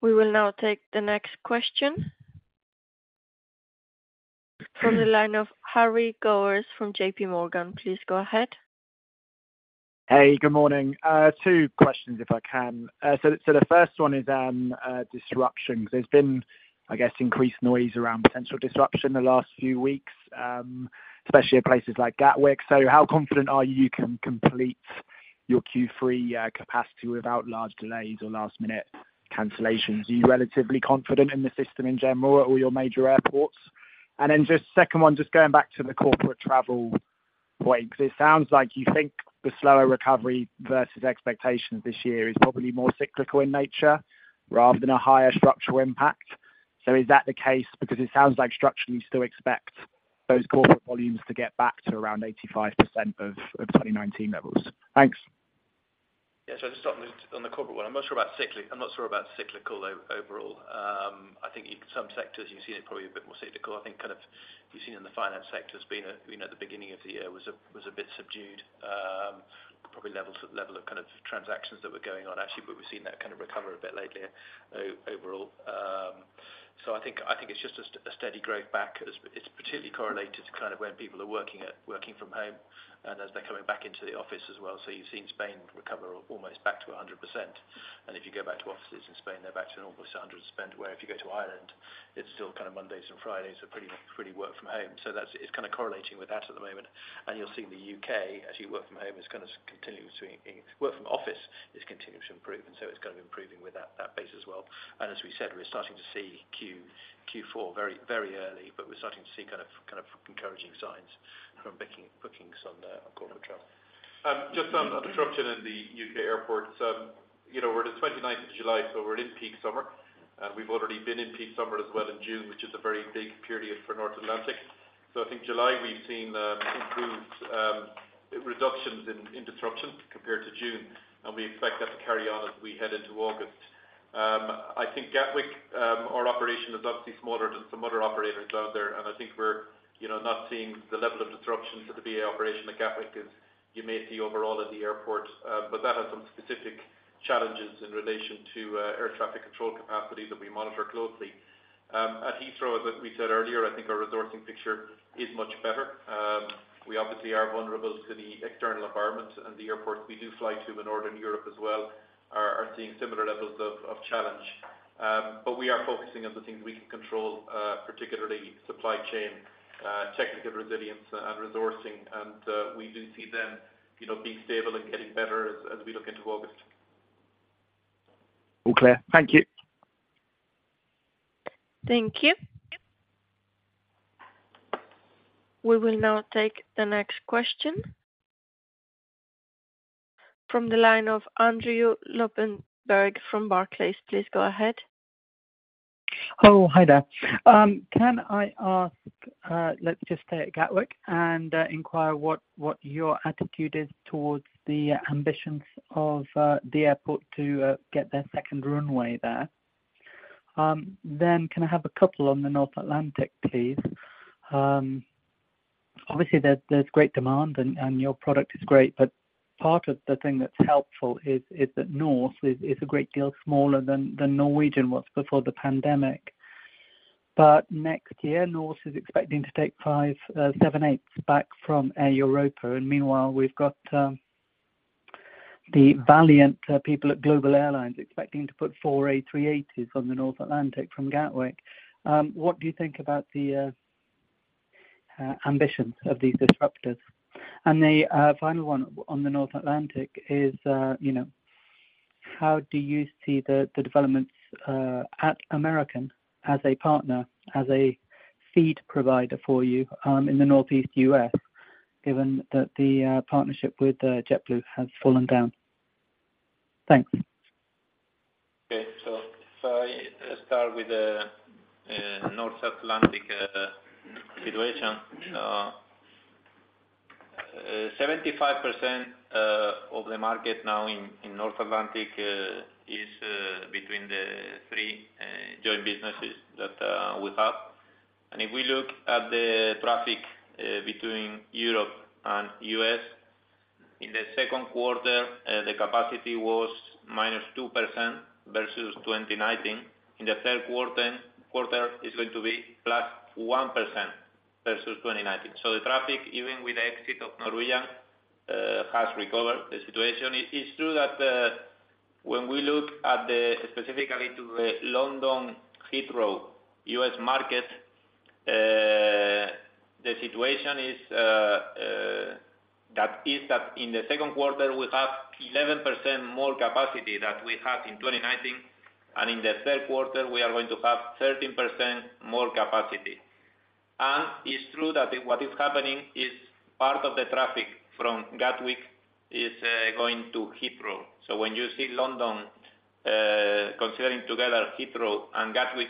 We will now take the next question. From the line of Harry Gowers from JPMorgan, please go ahead. Hey, good morning. Two questions if I can. The first one is on disruption. There's been, I guess, increased noise around potential disruption in the last few weeks, especially in places like Gatwick. How confident are you, you can complete your Q3 capacity without large delays or last minute cancellations? Are you relatively confident in the system in general or your major airports? Just second one, just going back to the corporate travel point, because it sounds like you think the slower recovery versus expectations this year is probably more cyclical in nature rather than a higher structural impact. Is that the case? It sounds like structurally you still expect those corporate volumes to get back to around 85% of 2019 levels. Thanks. Yeah, I'll just start on the corporate one. I'm not sure about cyclical overall. I think in some sectors you've seen it probably a bit more cyclical. I think kind of you've seen in the finance sector has been a, you know, the beginning of the year was a, was a bit subdued. Probably levels, level of kind of transactions that were going on actually, but we've seen that kind of recover a bit lately overall. I think, I think it's just a steady growth back. It's, it's particularly correlated to kind of when people are working at, working from home and as they're coming back into the office as well. You've seen Spain recover almost back to 100%. If you go back to offices in Spain, they're back to a normal standard spend, where if you go to Ireland, it's still kind of Mondays and Fridays are pretty, pretty work from home. So that's. It's kind of correlating with that at the moment. You'll see in the U.K., as you work from home, it's gonna continue to, work from office is continuing to improve, and so it's gonna improving with that, that base as well. As we said, we're starting to see Q4 very, very early, but we're starting to see kind of, kind of encouraging signs from making bookings on the, on corporate travel. Just on, on disruption in the UK airports. You know, we're the 29th of July, we're in peak summer, we've already been in peak summer as well in June, which is a very big period for North Atlantic. I think July, we've seen improved reductions in, in disruption compared to June, we expect that to carry on as we head into August. I think Gatwick, our operation is obviously smaller than some other operators out there, I think we're, you know, not seeing the level of disruptions to the BA operation at Gatwick as you may see overall at the airport. That has some specific challenges in relation to air traffic control capacity that we monitor closely. At Heathrow, as we said earlier, I think our resourcing picture is much better. We obviously are vulnerable to the external environment and the airports we do fly to in Northern Europe as well, are, are seeing similar levels of, of challenge. We are focusing on the things we can control, particularly supply chain, technical resilience and resourcing. We do see them, you know, being stable and getting better as, as we look into August. All clear. Thank you. Thank you. We will now take the next question. From the line of Andrew Lobbenberg from Barclays. Please go ahead. Oh, hi there. Can I ask, let's just stay at Gatwick and inquire what, what your attitude is towards the ambitions of the airport to get their second runway there? Then can I have a couple on the North Atlantic, please? Obviously, there's, there's great demand and, and your product is great, but part of the thing that's helpful is, is that Norse is, is a great deal smaller than, than Norwegian was before the pandemic. Next year, Norse is expecting to take 5 787s back from Air Europa, and meanwhile, we've got the valiant people at Global Airlines expecting to put 4 A380s on the North Atlantic from Gatwick. What do you think about the ambitions of these disruptors? The final one on the North Atlantic is, you know, how do you see the developments at American as a partner, as a feed provider for you, in the Northeast U.S., given that the partnership with JetBlue has fallen down? Thanks. Okay. I start with the North Atlantic situation. 75% of the market now in North Atlantic is between the three joint businesses that we have. If we look at the traffic between Europe and US, in the second quarter, the capacity was -2% versus 2019. In the third quarter, quarter is going to be +1% versus 2019. The traffic, even with the exit of Norwegian, has recovered the situation. It is true that when we look at specifically to the London Heathrow, US market, the situation is that in the second quarter, we have 11% more capacity than we had in 2019, and in the third quarter, we are going to have 13% more capacity. It's true that what is happening is part of the traffic from Gatwick is going to Heathrow. When you see London, considering together Heathrow and Gatwick,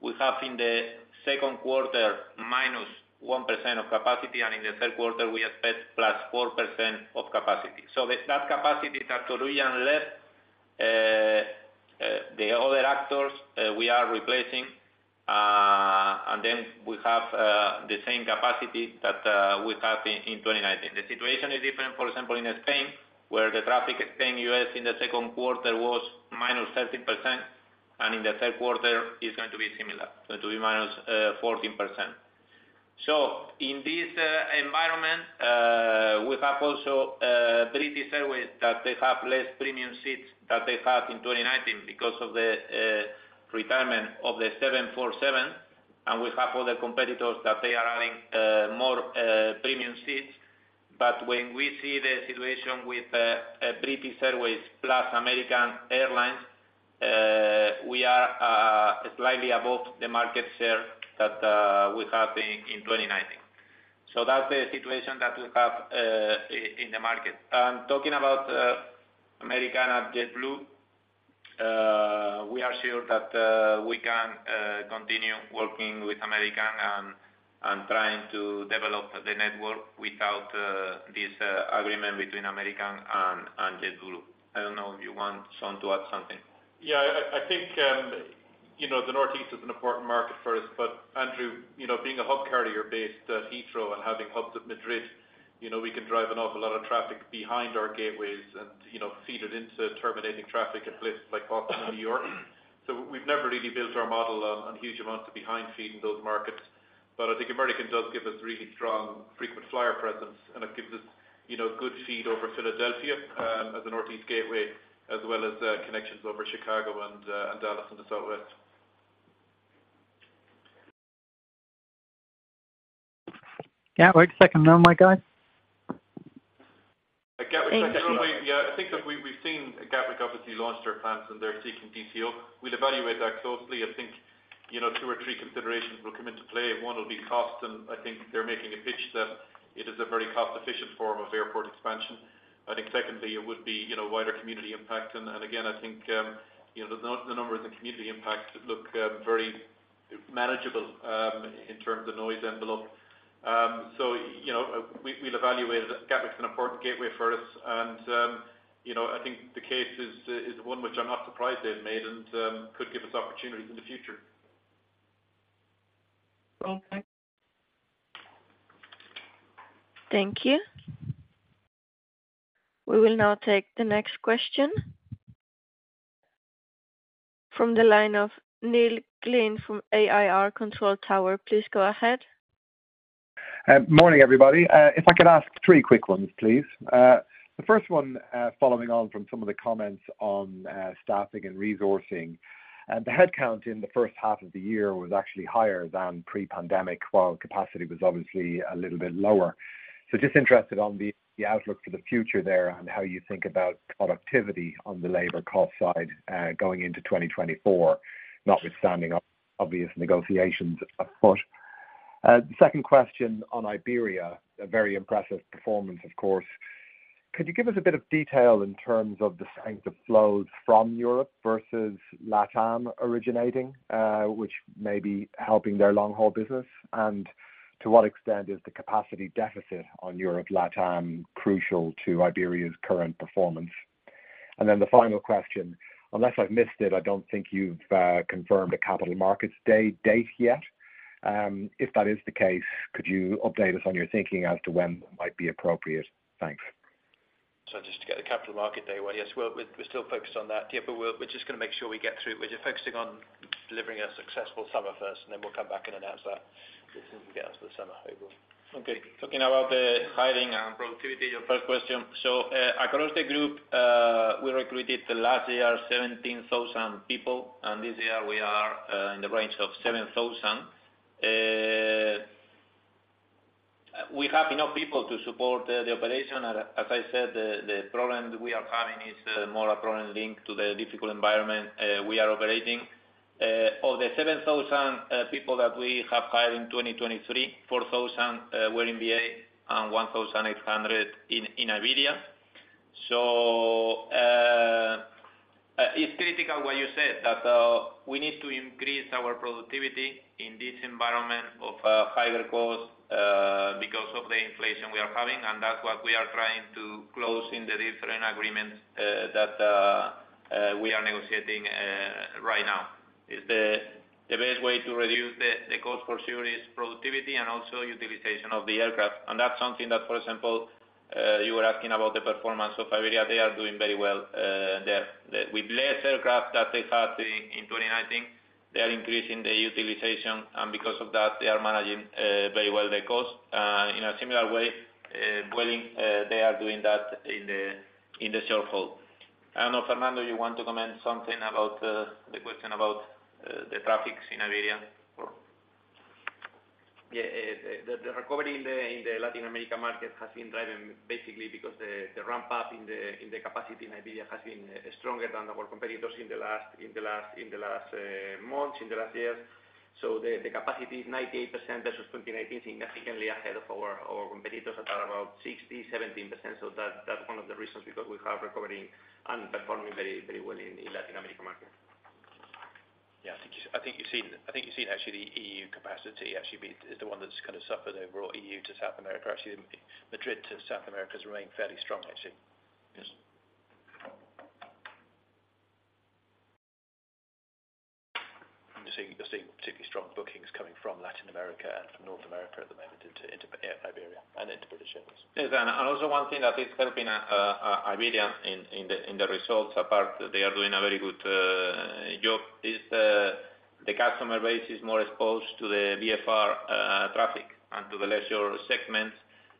we have in the second quarter, minus 1% of capacity, and in the third quarter, we expect +4% of capacity. That capacity that Norwegian left, the other actors, we are replacing, and then we have the same capacity that we had in 2019. The situation is different, for example, in Spain, where the traffic in Spain, U.S. in the second quarter was minus 13%, and in the third quarter is going to be similar, so to be minus 14%. In this environment, we have also British Airways, that they have less premium seats that they had in 2019 because of the retirement of the 747. We have other competitors that they are adding more premium seats. When we see the situation with British Airways plus American Airlines, we are slightly above the market share that we had in 2019. That's the situation that we have in the market. Talking about American and JetBlue. We are sure that we can continue working with American and trying to develop the network without this agreement between American and JetBlue. I don't know if you want Sean to add something. Yeah, I, I think, you know, the Northeast is an important market for us. Andrew, you know, being a hub carrier based at Heathrow and having hubs at Madrid, you know, we can drive an awful lot of traffic behind our gateways and, you know, feed it into terminating traffic at places like Boston and New York. We've never really built our model on, on huge amounts of behind feed in those markets. I think American does give us really strong frequent flyer presence, and it gives us, you know, good feed over Philadelphia, as a Northeast gateway, as well as connections over Chicago and Dallas in the Southwest. Yeah, wait a second. No mic on. At Gatwick, yeah, I think that we, we've seen Gatwick obviously launched their plans, and they're seeking TCO. We'll evaluate that closely. I think, you know, two or three considerations will come into play. One will be cost, and I think they're making a pitch that it is a very cost-efficient form of airport expansion. I think secondly, it would be, you know, wider community impact. Again, I think, you know, the numbers and community impacts look very manageable in terms of noise envelope. You know, we, we'll evaluate it. Gatwick's an important gateway for us, and, you know, I think the case is, is one which I'm not surprised they've made and could give us opportunities in the future. Okay. Thank you. We will now take the next question... From the line of Neil Glynn from AIR CONTROL TOWER. Please go ahead. Morning, everybody. If I could ask three quick ones, please. The first one, following on from some of the comments on staffing and resourcing. The headcount in the first half of the year was actually higher than pre-pandemic, while capacity was obviously a little bit lower. Just interested on the outlook for the future there and how you think about productivity on the labor cost side, going into 2024, notwithstanding obvious negotiations afoot. Second question on Iberia, a very impressive performance, of course. Could you give us a bit of detail in terms of the strength of flows from Europe versus LatAm originating, which may be helping their long-haul business? To what extent is the capacity deficit on Europe, LatAm, crucial to Iberia's current performance? Then the final question, unless I've missed it, I don't think you've confirmed a capital markets day date yet. If that is the case, could you update us on your thinking as to when it might be appropriate? Thanks. Just to get the capital market day away. Yes, we're, we're still focused on that. Yeah, we're, we're just gonna make sure we get through. We're just focusing on delivering a successful summer first, and then we'll come back and announce that this get us to the summer, April. Okay, talking about the hiring and productivity, your first question. Across the group, we recruited last year, 17,000 people, and this year we are in the range of 7,000. We have enough people to support the operation. As I said, the problem we are having is more a problem linked to the difficult environment we are operating. Of the 7,000 people that we have hired in 2023, 4,000 were in BA and 1,800 in Iberia. It's critical what you said, that we need to increase our productivity in this environment of higher costs because of the inflation we are having, and that's what we are trying to close in the different agreements that we are negotiating right now. The, the best way to reduce the, the cost for fuel is productivity and also utilization of the aircraft. That's something that, for example, you were asking about the performance of Iberia. They are doing very well. They're, with less aircraft that they had in, in 2019, they are increasing the utilization, and because of that, they are managing very well their cost. In a similar way, Vueling, they are doing that in the, in the short-haul. I don't know, Fernando, you want to comment something about the question about the traffics in Iberia? Yeah, the recovery in the Latin America market has been driven basically because the ramp-up in the capacity in Iberia has been stronger than our competitors in the last months, in the last years. The capacity is 98% versus 2019, significantly ahead of our competitors that are about 60%, 17%. That, that's one of the reasons because we have recovering and performing very, very well in Latin America market. Yeah, I think you've seen actually the EU capacity actually is the one that's kind of suffered overall EU to South America. Madrid to South America has remained fairly strong, actually. Yes. You're seeing particularly strong bookings coming from Latin America and from North America at the moment into Iberia and into British Airways. Yes, also one thing that is helping Iberia in the results, apart they are doing a very good job, is the customer base is more exposed to the VFR traffic and to the leisure segments.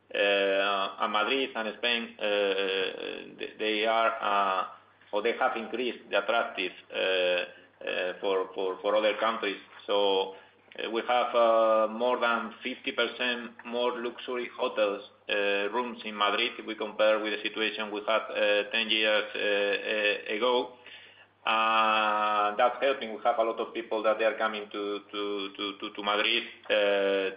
Madrid and Spain, they are or they have increased the attractive for other countries. We have more than 50% more luxury hotels rooms in Madrid, if we compare with the situation we had 10 years ago. That's helping. We have a lot of people that they are coming to Madrid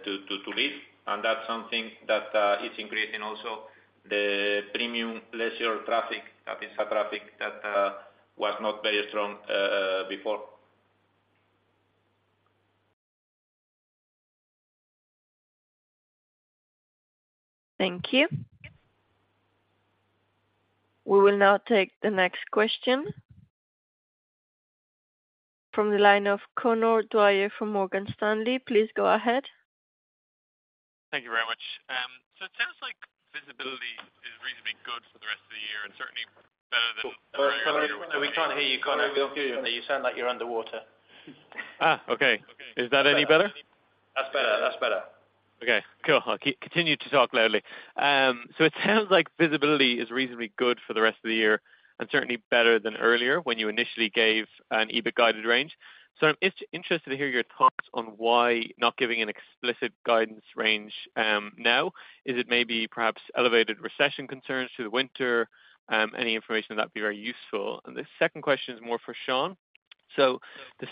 to live. That's something that is increasing also the premium leisure traffic, that is a traffic that was not very strong before. Thank you. We will now take the next question. From the line of Conor Dwyer from Morgan Stanley. Please go ahead. Thank you very much. It sounds like visibility is reasonably good for the rest of the year and certainly better than earlier. We can't hear you, Conor. You sound like you're underwater. Ah, okay. Is that any better? That's better. That's better. Okay, cool. I'll continue to talk loudly. It sounds like visibility is reasonably good for the rest of the year, and certainly better than earlier when you initially gave an EBIT guided range. I'm interested to hear your thoughts on why not giving an explicit guidance range now. Is it maybe perhaps elevated recession concerns through the winter? Any information on that would be very useful. The second question is more for Sean. The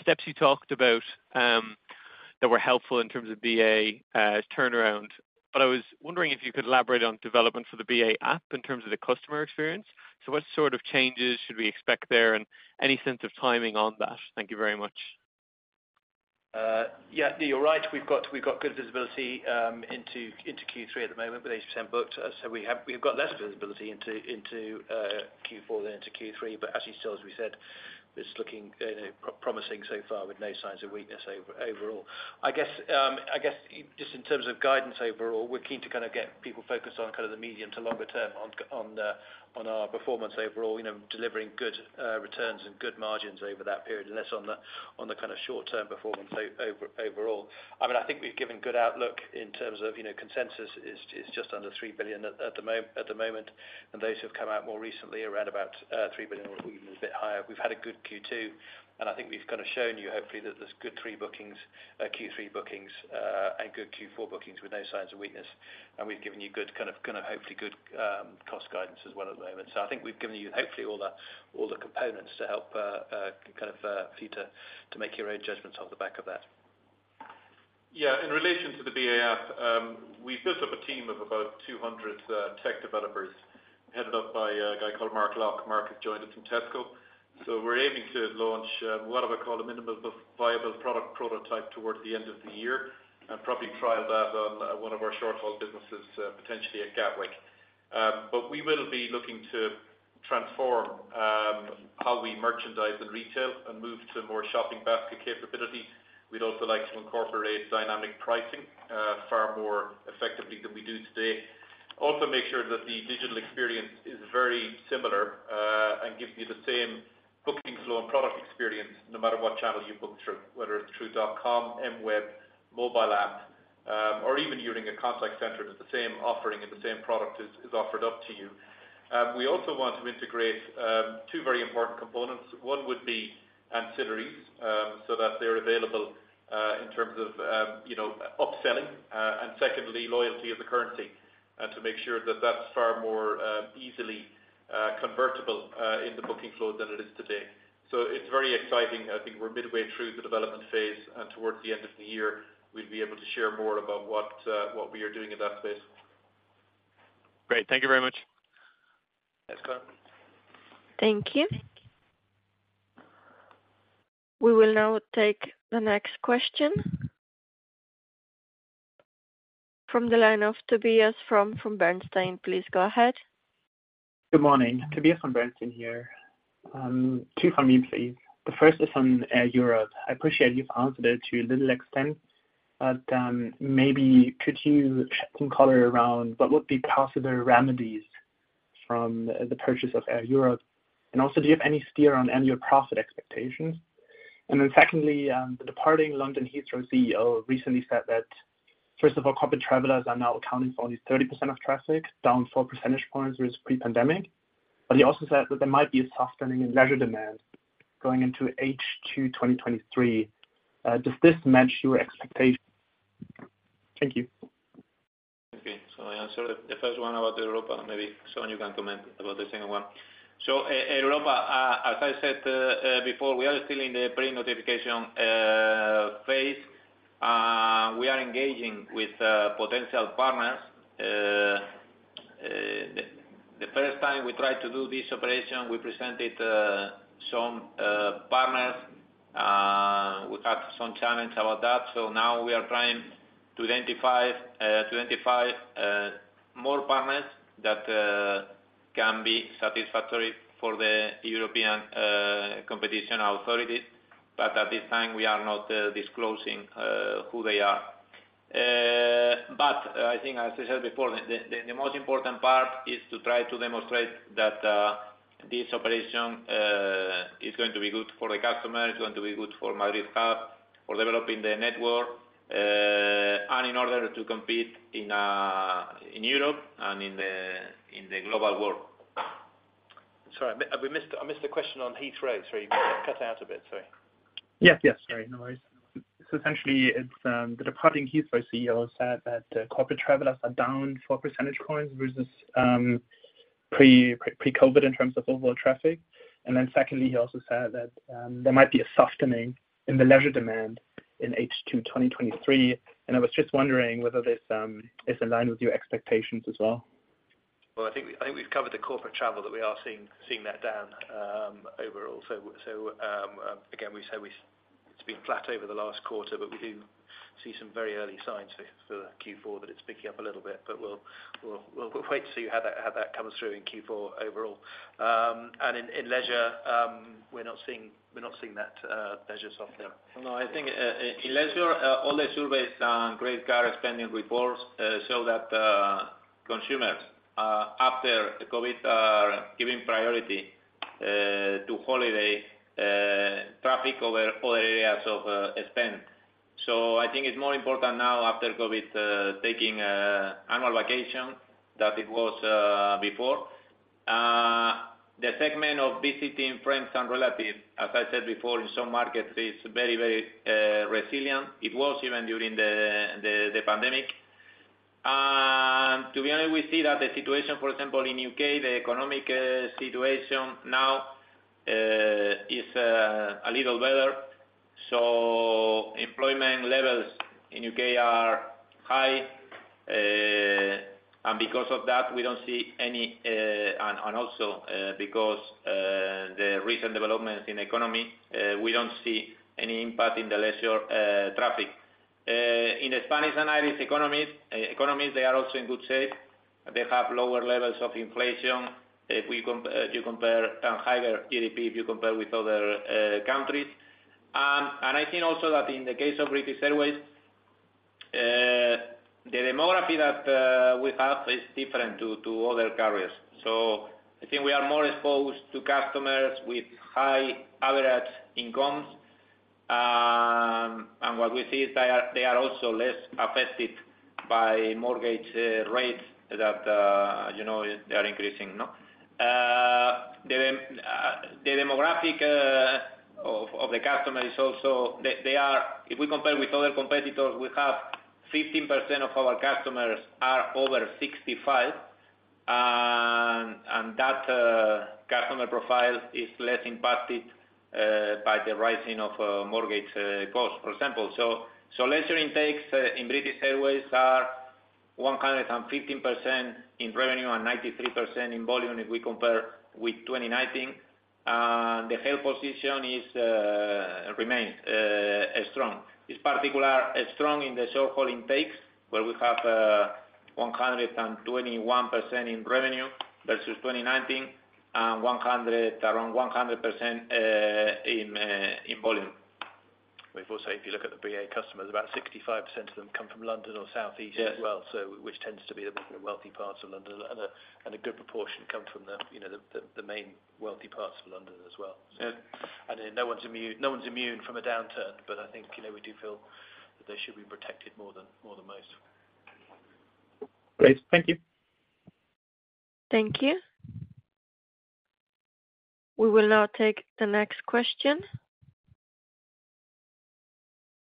steps you talked about that were helpful in terms of BA turnaround, but I was wondering if you could elaborate on developments for the BA app in terms of the customer experience. What sort of changes should we expect there, and any sense of timing on that? Thank you very much. Yeah, you're right. We've got, we've got good visibility into Q3 at the moment, with 80% booked. We've got less visibility into Q4 than into Q3. As you saw, as we said, it's looking promising so far with no signs of weakness overall. I guess, I guess just in terms of guidance overall, we're keen to kind of get people focused on kind of the medium to longer term on the, on our performance overall, you know, delivering good returns and good margins over that period, and less on the, on the kind of short-term performance overall. I mean, I think we've given good outlook in terms of, you know, consensus is, is just under 3 billion at the moment, and those who have come out more recently, around about 3 billion or even a bit higher. We've had a good Q2, I think we've kind of shown you, hopefully, that there's good Q3 bookings, and good Q4 bookings with no signs of weakness. We've given you good, kind of hopefully good, cost guidance as well at the moment. I think we've given you, hopefully, all the components to help, kind of, for you to, to make your own judgments off the back of that. Yeah, in relation to the BA app, we've built up a team of about 200 tech developers, headed up by a guy called Mark Locke. Mark has joined us from Tesco. We're aiming to launch what I would call a minimum viable product prototype towards the end of the year, and probably trial that on one of our short-haul businesses, potentially at Gatwick. We will be looking to transform how we merchandise and retail and move to more shopping basket capabilities. We'd also like to incorporate dynamic pricing far more effectively than we do today. Also, make sure that the digital experience is very similar and gives you the same booking flow and product experience, no matter what channel you book through. Whether it's through .com, mWeb, mobile app, or even using a contact center, it's the same offering and the same product is, is offered up to you. We also want to integrate two very important components. One would be ancillaries, so that they're available in terms of, you know, upselling. Secondly, loyalty as a currency, and to make sure that that's far more easily convertible in the booking flow than it is today. It's very exciting. I think we're midway through the development phase, and towards the end of the year, we'll be able to share more about what we are doing in that space. Great. Thank you very much. Thanks, Conor. Thank you. We will now take the next question. From the line of Tobias Fromme, from Bernstein. Please go ahead. Good morning, Tobias From Bernstein here. Two for me, please. The first is on Air Europe. I appreciate you've answered it to a little extent, but maybe could you shed some color around what would be possible remedies from the purchase of Air Europe? Do you have any steer on annual profit expectations? Secondly, the departing London Heathrow CEO recently said that, first of all, corporate travelers are now accounting for only 30% of traffic, down 4 percentage points versus pre-pandemic. He also said that there might be a softening in leisure demand going into H2 2023. Does this match your expectations? Thank you. I answer the first one about Air Europa, maybe, Sean, you can comment about the second one. Air Europa, as I said before, we are still in the pre-notification phase. We are engaging with potential partners to do this operation, we presented some partners. We had some challenge about that. Now we are trying to identify, to identify more partners that can be satisfactory for the European competition authorities. At this time, we are not disclosing who they are. I think as I said before, the, the, the most important part is to try to demonstrate that this operation is going to be good for the customer, is going to be good for Madrid hub, for developing the network, and in order to compete in Europe and in the, in the global world. Sorry, I missed the question on Heathrow. Sorry, you cut out a bit. Sorry. Yes, yes. Sorry. No worries. Essentially, it's the departing Heathrow CEO said that corporate travelers are down 4 percentage points versus pre-pre, pre-COVID in terms of overall traffic. Secondly, he also said that there might be a softening in the leisure demand in H2 2023. I was just wondering whether this is in line with your expectations as well? Well, I think, I think we've covered the corporate travel, that we are seeing, seeing that down, overall. So, so, again, we say it's been flat over the last quarter, but we do see some very early signs for, for Q4, that it's picking up a little bit. We'll, we'll, we'll wait to see how that, how that comes through in Q4 overall. In, in leisure, we're not seeing, we're not seeing that, leisure softer. No, I think in leisure, all the surveys and credit card spending reports show that consumers, after the COVID, are giving priority to holiday traffic over all areas of spend. I think it's more important now after COVID, taking annual vacation than it was before. The segment of visiting friends and relatives, as I said before, in some markets is very, very resilient. It was even during the, the, the pandemic. To be honest, we see that the situation, for example, in U.K., the economic situation now is a little better. Employment levels in U.K. are high, and because of that, we don't see any... Also, because the recent developments in economy, we don't see any impact in the leisure traffic. In the Spanish and Irish economies, economies, they are also in good shape. They have lower levels of inflation. If we you compare, and higher GDP, if you compare with other countries. I think also that in the case of British Airways, the demography that we have is different to, to other carriers. I think we are more exposed to customers with high average incomes. What we see is they are, they are also less affected by mortgage rates that, you know, they are increasing, no? The demographic of the customers is also they, they are if we compare with other competitors, we have 15% of our customers are over 65, and that customer profile is less impacted by the rising of mortgage costs, for example. Leisure intakes in British Airways are 115% in revenue and 93% in volume, if we compare with 2019. The health position remains strong. It is particular strong in the short-haul intakes, where we have 121% in revenue versus 2019, and 100, around 100% in volume. We've also, if you look at the BA customers, about 65% of them come from London or Southeast- Yes... as well. Which tends to be the wealthier parts of London, and a good proportion come from the, you know, the, the, the main wealthy parts of London as well. Yes. No one's immune, no one's immune from a downturn, but I think, you know, we do feel that they should be protected more than, more than most. Great. Thank you. Thank you. We will now take the next question.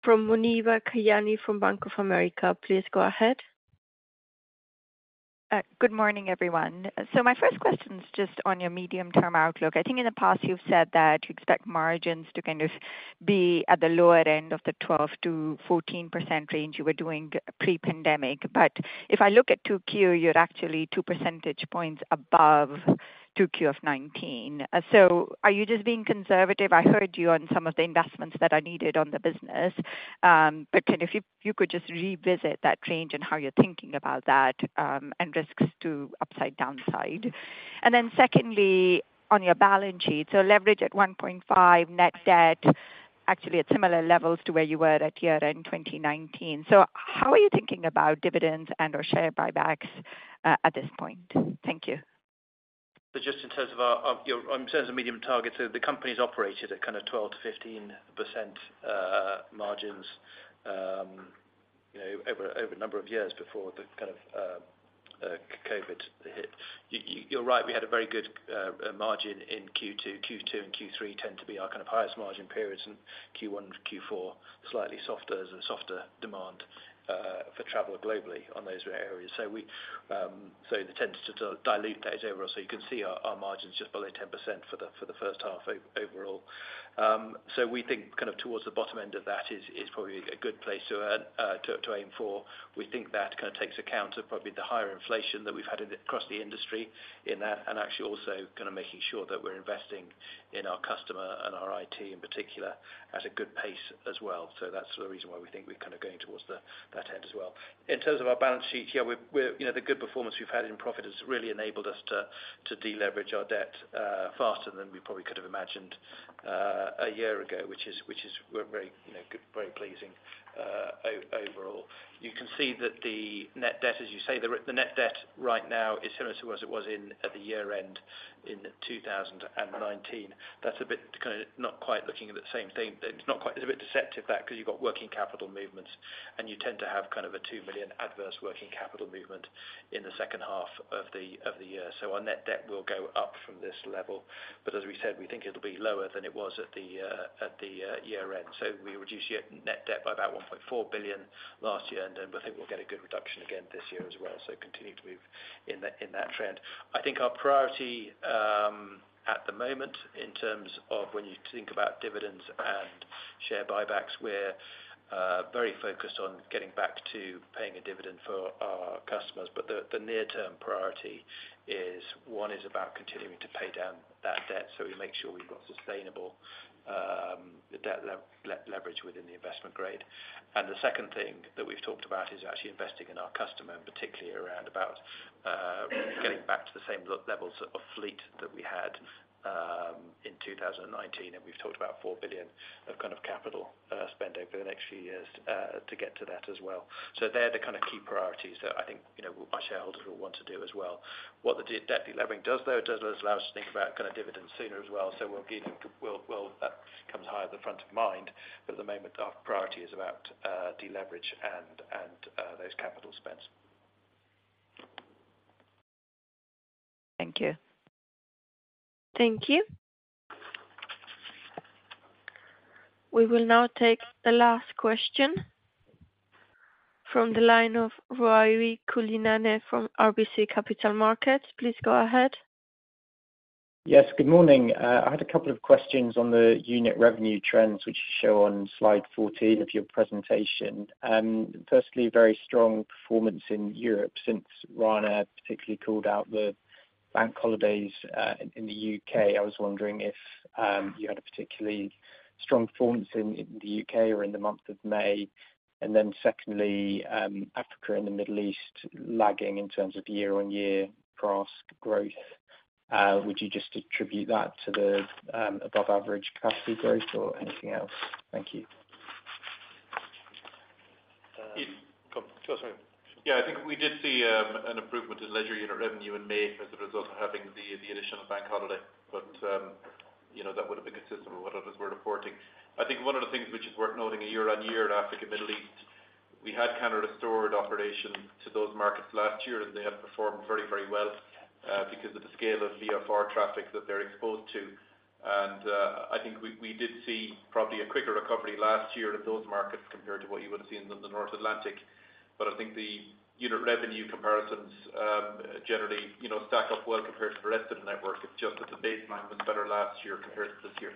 From Muneeba Kayani, from Bank of America. Please go ahead. Good morning, everyone. My first question is just on your medium-term outlook. I think in the past you've said that you expect margins to kind of be at the lower end of the 12%-14% range you were doing pre-pandemic. If I look at 2Q, you're actually 2 percentage points above 2Q of 2019. Are you just being conservative? I heard you on some of the investments that are needed on the business. Kind of if you, you could just revisit that range and how you're thinking about that, and risks to upside, downside. Secondly, on your balance sheet, leverage at 1.5, net debt actually at similar levels to where you were at year-end 2019. How are you thinking about dividends and/or share buybacks at this point? Thank you. Just in terms of our, of your, in terms of medium targets, so the company's operated at kind of 12%-15% margins, you know, over, over a number of years before the kind of COVID hit. You, you, you're right, we had a very good margin in Q2. Q2 and Q3 tend to be our kind of highest margin periods, and Q1 and Q4 are slightly softer as a softer demand for travel globally on those areas. We, so the tends to, to dilute that overall. You can see our, our margins just below 10% for the, for the first half overall. So we think kind of towards the bottom end of that is, is probably a good place to, to aim for. We think that kind of takes account of probably the higher inflation that we've had in across the industry in that, and actually also kind of making sure that we're investing in our customer and our IT in particular, at a good pace as well. That's the reason why we think we're kind of going towards the, that end as well. In terms of our balance sheet, yeah, we're, we're, you know, the good performance we've had in profit has really enabled us to, to deleverage our debt faster than we probably could have imagined a year ago, which is, which is, we're very, you know, good, very pleasing overall. You can see that the net debt, as you say, the net debt right now is similar to as it was in, at the year end in 2019. That's a bit kind of not quite looking at the same thing. It's a bit deceptive that, 'cause you've got working capital movements, and you tend to have kind of a 2 billion adverse working capital movement in the second half of the year. Our net debt will go up from this level, but as we said, we think it'll be lower than it was at the year end. We reduced net debt by about 1.4 billion last year, and then we think we'll get a good reduction again this year as well. Continue to move in that trend. I think our priority, at the moment, in terms of when you think about dividends and share buybacks, we're very focused on getting back to paying a dividend for our customers. The, the near term priority is, one, is about continuing to pay down that debt, so we make sure we've got sustainable, debt leverage within the investment grade. The second thing that we've talked about is actually investing in our customer, and particularly around about, getting back to the same levels of fleet that we had, in 2019. We've talked about 4 billion of kind of capital, spend over the next few years, to get to that as well. They're the kind of key priorities that I think, you know, our shareholders will want to do as well. What the debt delevering does, though, it does allow us to think about kind of dividends sooner as well. We'll give, we'll, we'll comes higher at the front of mind, but at the moment, our priority is about deleverage and, and those capital spends. Thank you. Thank you. We will now take the last question from the line of Ruairi Cullinane from RBC Capital Markets. Please go ahead. Yes, good morning. I had a couple of questions on the unit revenue trends, which show on Slide 14 of your presentation. Firstly, very strong performance in Europe since Rana particularly called out the bank holidays in the U.K. I was wondering if you had a particularly strong performance in, in the U.K. or in the month of May? Secondly, Africa and the Middle East lagging in terms of year-on-year cross growth. Would you just attribute that to the above average capacity growth or anything else? Thank you. Um- Go, go, sorry. Yeah, I think we did see an improvement in leisure unit revenue in May as a result of having the additional bank holiday. You know, that would have been consistent with what others were reporting. I think one of the things which is worth noting, year-on-year in Africa, Middle East, we had kind of restored operation to those markets last year, and they had performed very, very well, because of the scale of VFR traffic that they're exposed to. I think we did see probably a quicker recovery last year in those markets, compared to what you would have seen in the North Atlantic. I think the unit revenue comparisons, generally, you know, stack up well compared to the rest of the network. It's just that the baseline was better last year compared to this year.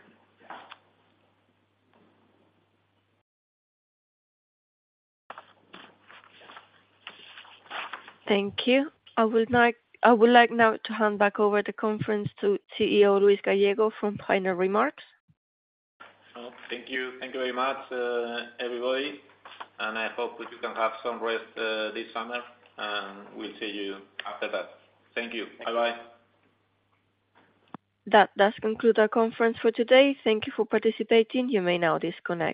Thank you. I would like now to hand back over the conference to CEO, Luis Gallego, for final remarks. Oh, thank you. Thank you very much, everybody. I hope that you can have some rest, this summer, and we'll see you after that. Thank you. Bye-bye. That does conclude our conference for today. Thank you for participating. You may now disconnect.